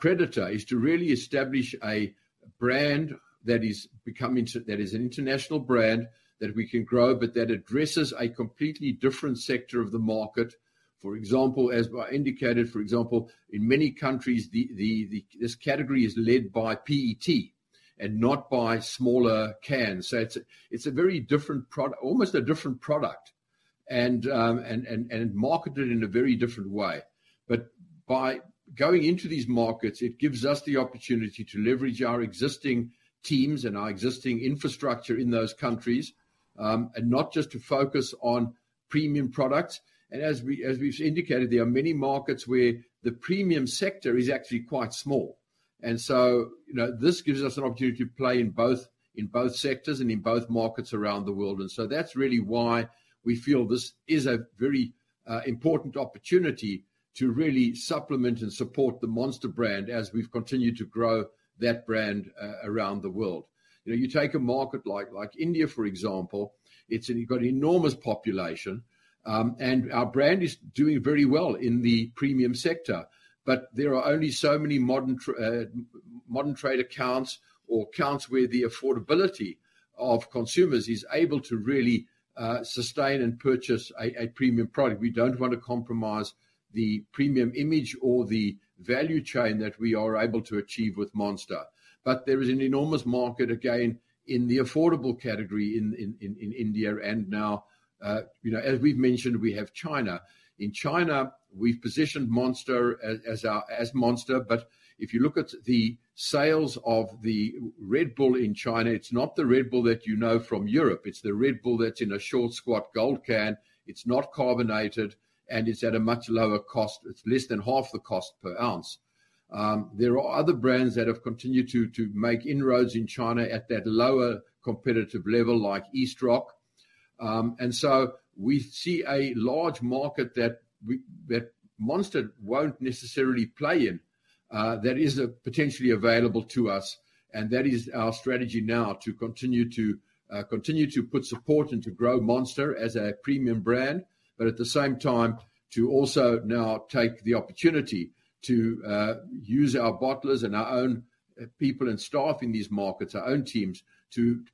Predator is to really establish a brand that is an international brand that we can grow, but that addresses a completely different sector of the market. For example, as I indicated, for example, in many countries, the... this category is led by PET and not by smaller cans. It's a very different almost a different product, and marketed in a very different way. By going into these markets, it gives us the opportunity to leverage our existing teams and our existing infrastructure in those countries, and not just to focus on premium products. As we, as we've indicated, there are many markets where the premium sector is actually quite small. So, you know, this gives us an opportunity to play in both, in both sectors and in both markets around the world. That's really why we feel this is a very important opportunity to really supplement and support the Monster brand as we've continued to grow that brand around the world. You know, you take a market like India, for example. You've got an enormous population, and our brand is doing very well in the premium sector. There are only so many modern trade accounts or accounts where the affordability of consumers is able to really sustain and purchase a premium product. We don't want to compromise the premium image or the value chain that we are able to achieve with Monster. There is an enormous market, again, in the affordable category in India and now, you know, as we've mentioned, we have China. In China, we've positioned Monster as our Monster. If you look at the sales of the Red Bull in China, it's not the Red Bull that you know from Europe. It's the Red Bull that's in a short, squat gold can. It's not carbonated, and it's at a much lower cost. It's less than half the cost per ounce. There are other brands that have continued to make inroads in China at that lower competitive level, like Eastroc. We see a large market that Monster won't necessarily play in, that is potentially available to us, and that is our strategy now to continue to put support and to grow Monster as a premium brand. At the same time, to also now take the opportunity to use our bottlers and our own people and staff in these markets, our own teams, to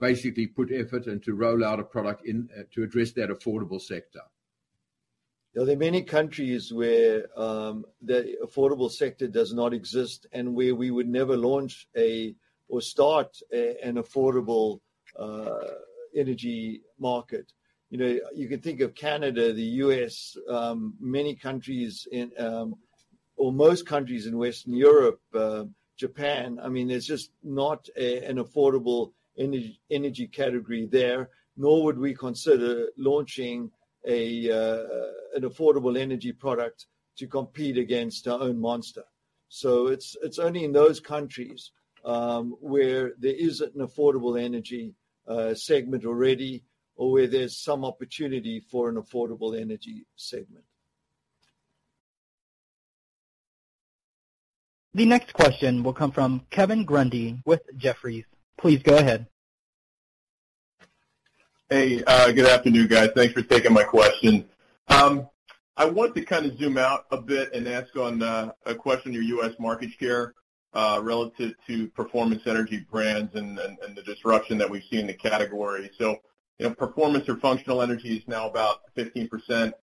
basically put effort and to roll out a product in to address that affordable sector. There are many countries where the affordable sector does not exist and where we would never launch a or start an affordable energy market. You know, you can think of Canada, the U.S., many countries in or most countries in Western Europe, Japan, I mean, there's just not an affordable energy category there, nor would we consider launching an affordable energy product to compete against our own Monster. It's only in those countries where there isn't an affordable energy segment already or where there's some opportunity for an affordable energy segment. The next question will come from Kevin Grundy with Jefferies. Please go ahead. Good afternoon, guys. Thanks for taking my question. I want to kind of zoom out a bit and ask on a question to your U.S. market share relative to performance energy brands and the disruption that we've seen in the category. You know, performance or functional energy is now about 15%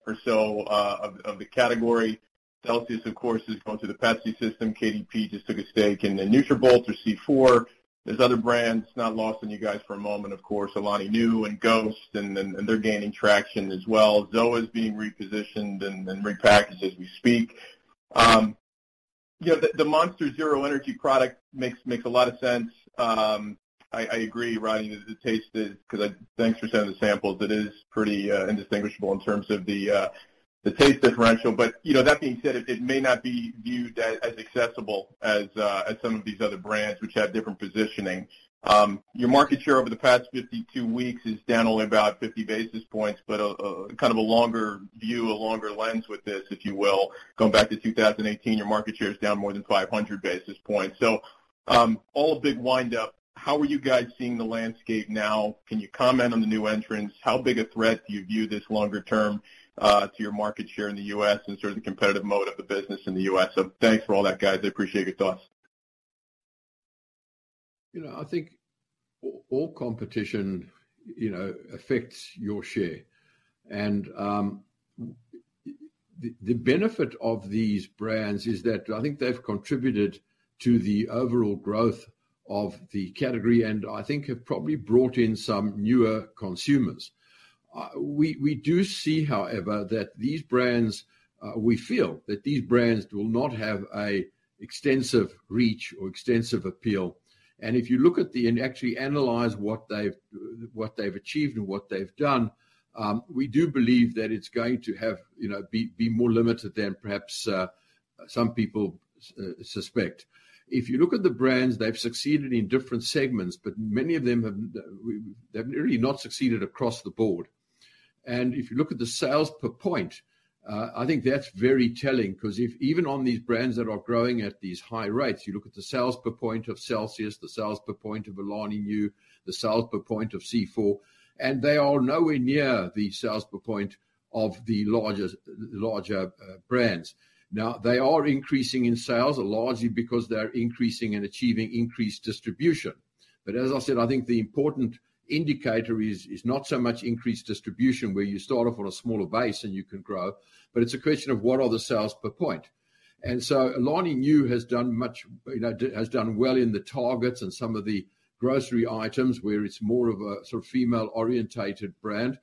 or so of the category. CELSIUS, of course, has gone through the Pepsi system. KDP just took a stake, and then Nutrabolt or C4. There's other brands. Not lost on you guys for a moment, of course, Alani Nu and GHOST and they're gaining traction as well. ZOA is being repositioned and repackaged as we speak. You know, the Monster Zero Energy product makes a lot of sense. I agree, Rodney, the taste is... 'cause I... Thanks for sending the samples. It is pretty indistinguishable in terms of the taste differential. You know, that being said, it may not be viewed as accessible as some of these other brands which have different positioning. Your market share over the past 52 weeks is down only about 50 basis points, but a kind of a longer view, a longer lens with this, if you will. Going back to 2018, your market share is down more than 500 basis points. All a big wind-up, how are you guys seeing the landscape now? Can you comment on the new entrants? How big a threat do you view this longer term to your market share in the U.S. and sort of the competitive mode of the business in the U.S.? Thanks for all that, guys. I appreciate your thoughts. You know, I think all competition, you know, affects your share. The benefit of these brands is that I think they've contributed to the overall growth of the category, and I think have probably brought in some newer consumers. We do see, however, that these brands, we feel that these brands will not have a extensive reach or extensive appeal. If you look at the and actually analyze what they've achieved and what they've done, we do believe that it's going to have, you know, be more limited than perhaps some people suspect. If you look at the brands, they've succeeded in different segments, but many of them have, they've really not succeeded across the board. If you look at the sales per point, I think that's very telling 'cause if even on these brands that are growing at these high rates, you look at the sales per point of CELSIUS, the sales per point of Alani Nu, the sales per point of C4, and they are nowhere near the sales per point of the largest, larger brands. Now, they are increasing in sales largely because they're increasing and achieving increased distribution. As I said, I think the important indicator is not so much increased distribution where you start off on a smaller base and you can grow, but it's a question of what are the sales per point. Alani Nu has done much... You know, has done well in the Target and some of the grocery items where it's more of a sort of female-oriented brand.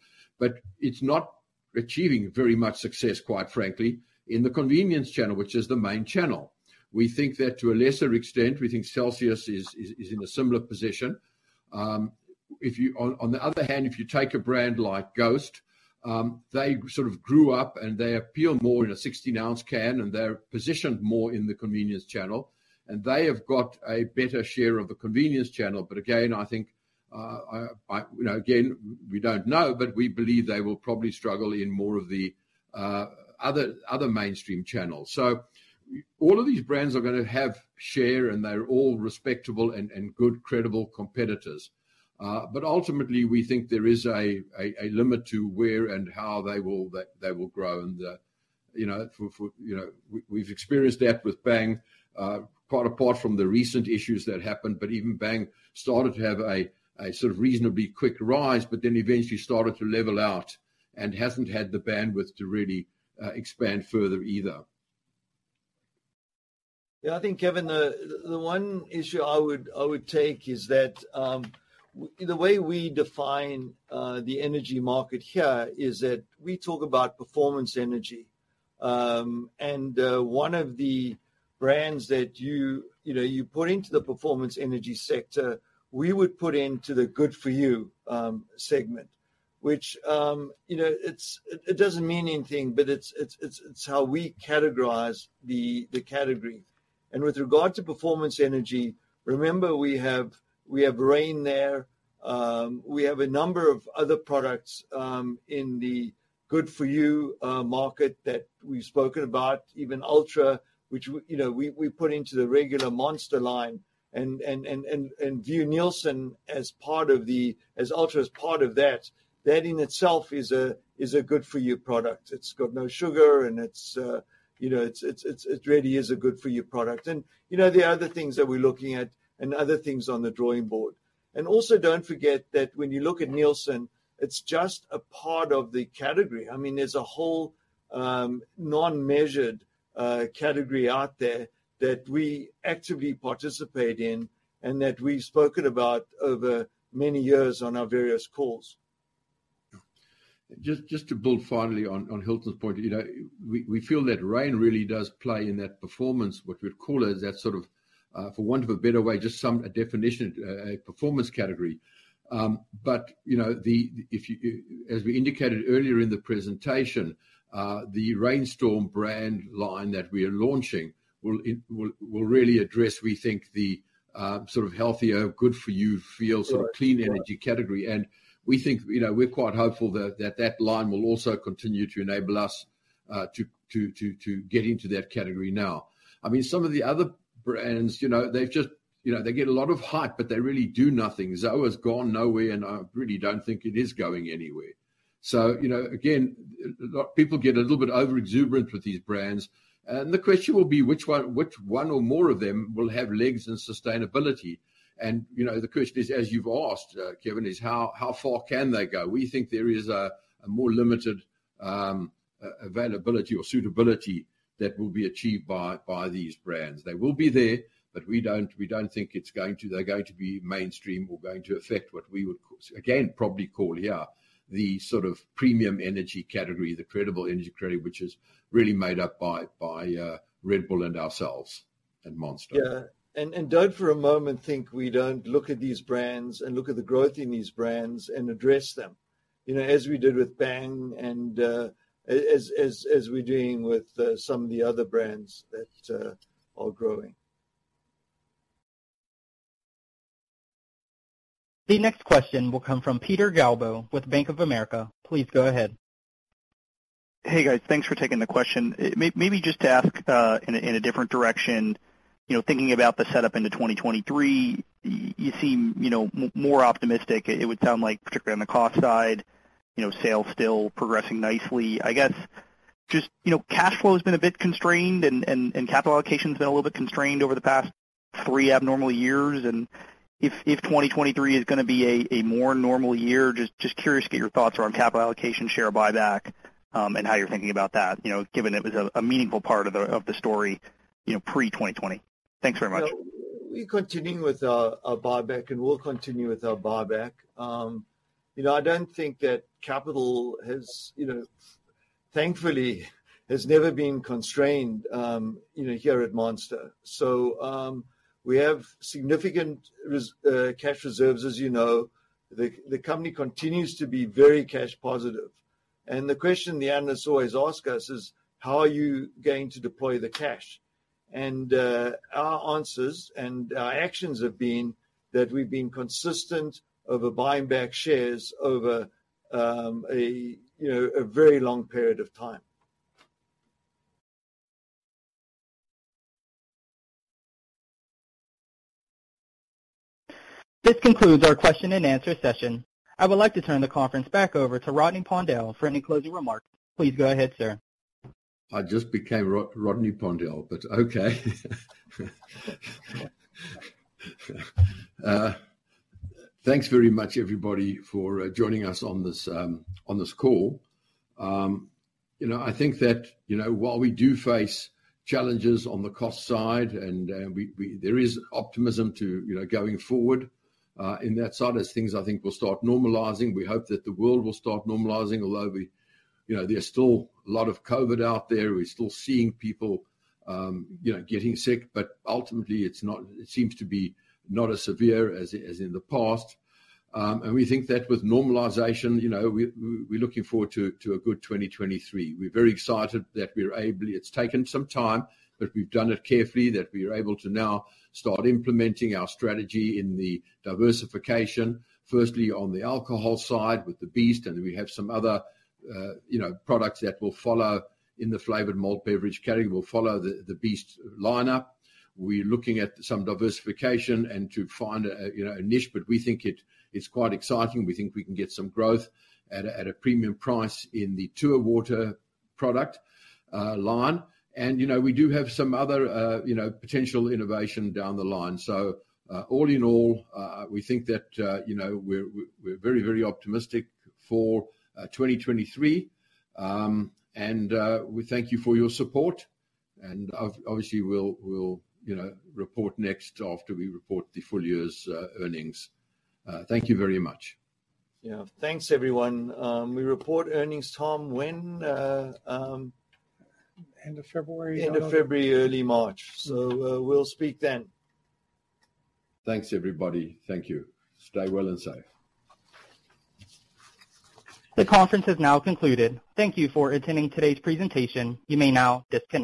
It's not achieving very much success, quite frankly, in the convenience channel, which is the main channel. We think that to a lesser extent, we think CELSIUS is in a similar position. On the other hand, if you take a brand like GHOST, they sort of grew up, and they appeal more in a 16-ounce can, and they're positioned more in the convenience channel, and they have got a better share of the convenience channel. Again, I think, You know, again, we don't know, but we believe they will probably struggle in more of the other mainstream channels. All of these brands are gonna have share, and they're all respectable and good, credible competitors. Ultimately, we think there is a limit to where and how they will grow and, you know, we've experienced that with Bang, quite apart from the recent issues that happened. Even Bang started to have a sort of reasonably quick rise, but then eventually started to level out and hasn't had the bandwidth to really expand further either. I think, Kevin, the one issue I would take is that the way we define the energy market here is that we talk about performance energy. One of the brands that you know, you put into the performance energy sector, we would put into the good-for-you segment, which, you know, it doesn't mean anything, but it's how we categorize the category. With regard to performance energy, remember, we have Reign there. We have a number of other products in the good-for-you market that we've spoken about, even Ultra, which you know, we put into the regular Monster line and view Nielsen as part of the as Ultra as part of that. That in itself is a good-for-you product. It's got no sugar, you know, it really is a good-for-you product. You know, there are other things that we're looking at and other things on the drawing board. Also, don't forget that when you look at Nielsen, it's just a part of the category. I mean, there's a whole non-measured category out there that we actively participate in and that we've spoken about over many years on our various calls. Just to build finally on Hilton's point. You know, we feel that Reign really does play in that performance, what we'd call as that sort of, for want of a better way, just a definition, a performance category. You know, the... If you... As we indicated earlier in the presentation, the Reign Storm brand line that we are launching will really address, we think the sort of healthier, good-for-you feel- Sure sort of clean energy category. We think, you know, we're quite hopeful that line will also continue to enable us to get into that category now. I mean, some of the other brands, you know, they get a lot of hype, but they really do nothing. Zoa has gone nowhere, and I really don't think it is going anywhere. You know, again, People get a little bit over-exuberant with these brands. The question will be which one or more of them will have legs and sustainability. You know, the question is, as you've asked, Kevin, is how far can they go? We think there is a more limited availability or suitability that will be achieved by these brands. They will be there, but we don't think they're going to be mainstream or going to affect what we would again, probably call here the sort of premium energy category, the credible energy category, which is really made up by Red Bull and ourselves and Monster. Yeah. Don't for a moment think we don't look at these brands and look at the growth in these brands and address them, you know, as we did with Bang and as we're doing with some of the other brands that are growing. The next question will come from Peter Galbo with Bank of America. Please go ahead. Hey, guys. Thanks for taking the question. Maybe just to ask in a different direction. You know, thinking about the setup into 2023, you seem, you know, more optimistic, it would sound like, particularly on the cost side. You know, sales still progressing nicely. I guess just, you know, cash flow has been a bit constrained and capital allocation's been a little bit constrained over the past three abnormal years. If 2023 is gonna be a more normal year, just curious to get your thoughts around capital allocation, share buyback, and how you're thinking about that, you know, given it was a meaningful part of the story, you know, pre-2020. Thanks very much. We're continuing with our buyback, and we'll continue with our buyback. You know, I don't think that capital has, you know, thankfully has never been constrained, you know, here at Monster. We have significant cash reserves, as you know. The company continues to be very cash positive. The question the analysts always ask us is, "How are you going to deploy the cash?" Our answers and our actions have been that we've been consistent over buying back shares over, you know, a very long period of time. This concludes our question and answer session. I would like to turn the conference back over to Rodney Pondel for any closing remarks. Please go ahead, sir. I just became Rodney Pondel, but okay. Thanks very much, everybody, for joining us on this on this call. You know, I think that, you know, while we do face challenges on the cost side, and there is optimism to, you know, going forward in that side as things, I think, will start normalizing. We hope that the world will start normalizing, although we, you know, there's still a lot of COVID out there. We're still seeing people, you know, getting sick. Ultimately, it seems to be not as severe as in the past. We think that with normalization, you know, we're looking forward to a good 2023. We're very excited that we're ably... It's taken some time, but we've done it carefully, that we're able to now start implementing our strategy in the diversification. Firstly on the alcohol side with the Beast, and we have some other, you know, products that will follow in the flavored malt beverage category, will follow the Beast lineup. We're looking at some diversification and to find a, you know, a niche, but we think it is quite exciting. We think we can get some growth at a, at a premium price in the True Water product line. You know, we do have some other, you know, potential innovation down the line. All in all, we think that, you know, we're very, very optimistic for 2023. We thank you for your support, and obviously we'll, you know, report next after we report the full year's earnings. Thank you very much. Yeah. Thanks, everyone. We report earnings, Tom, when? End of February. End of February, early March. We'll speak then. Thanks, everybody. Thank you. Stay well and safe. The conference has now concluded. Thank you for attending today's presentation. You may now disconnect.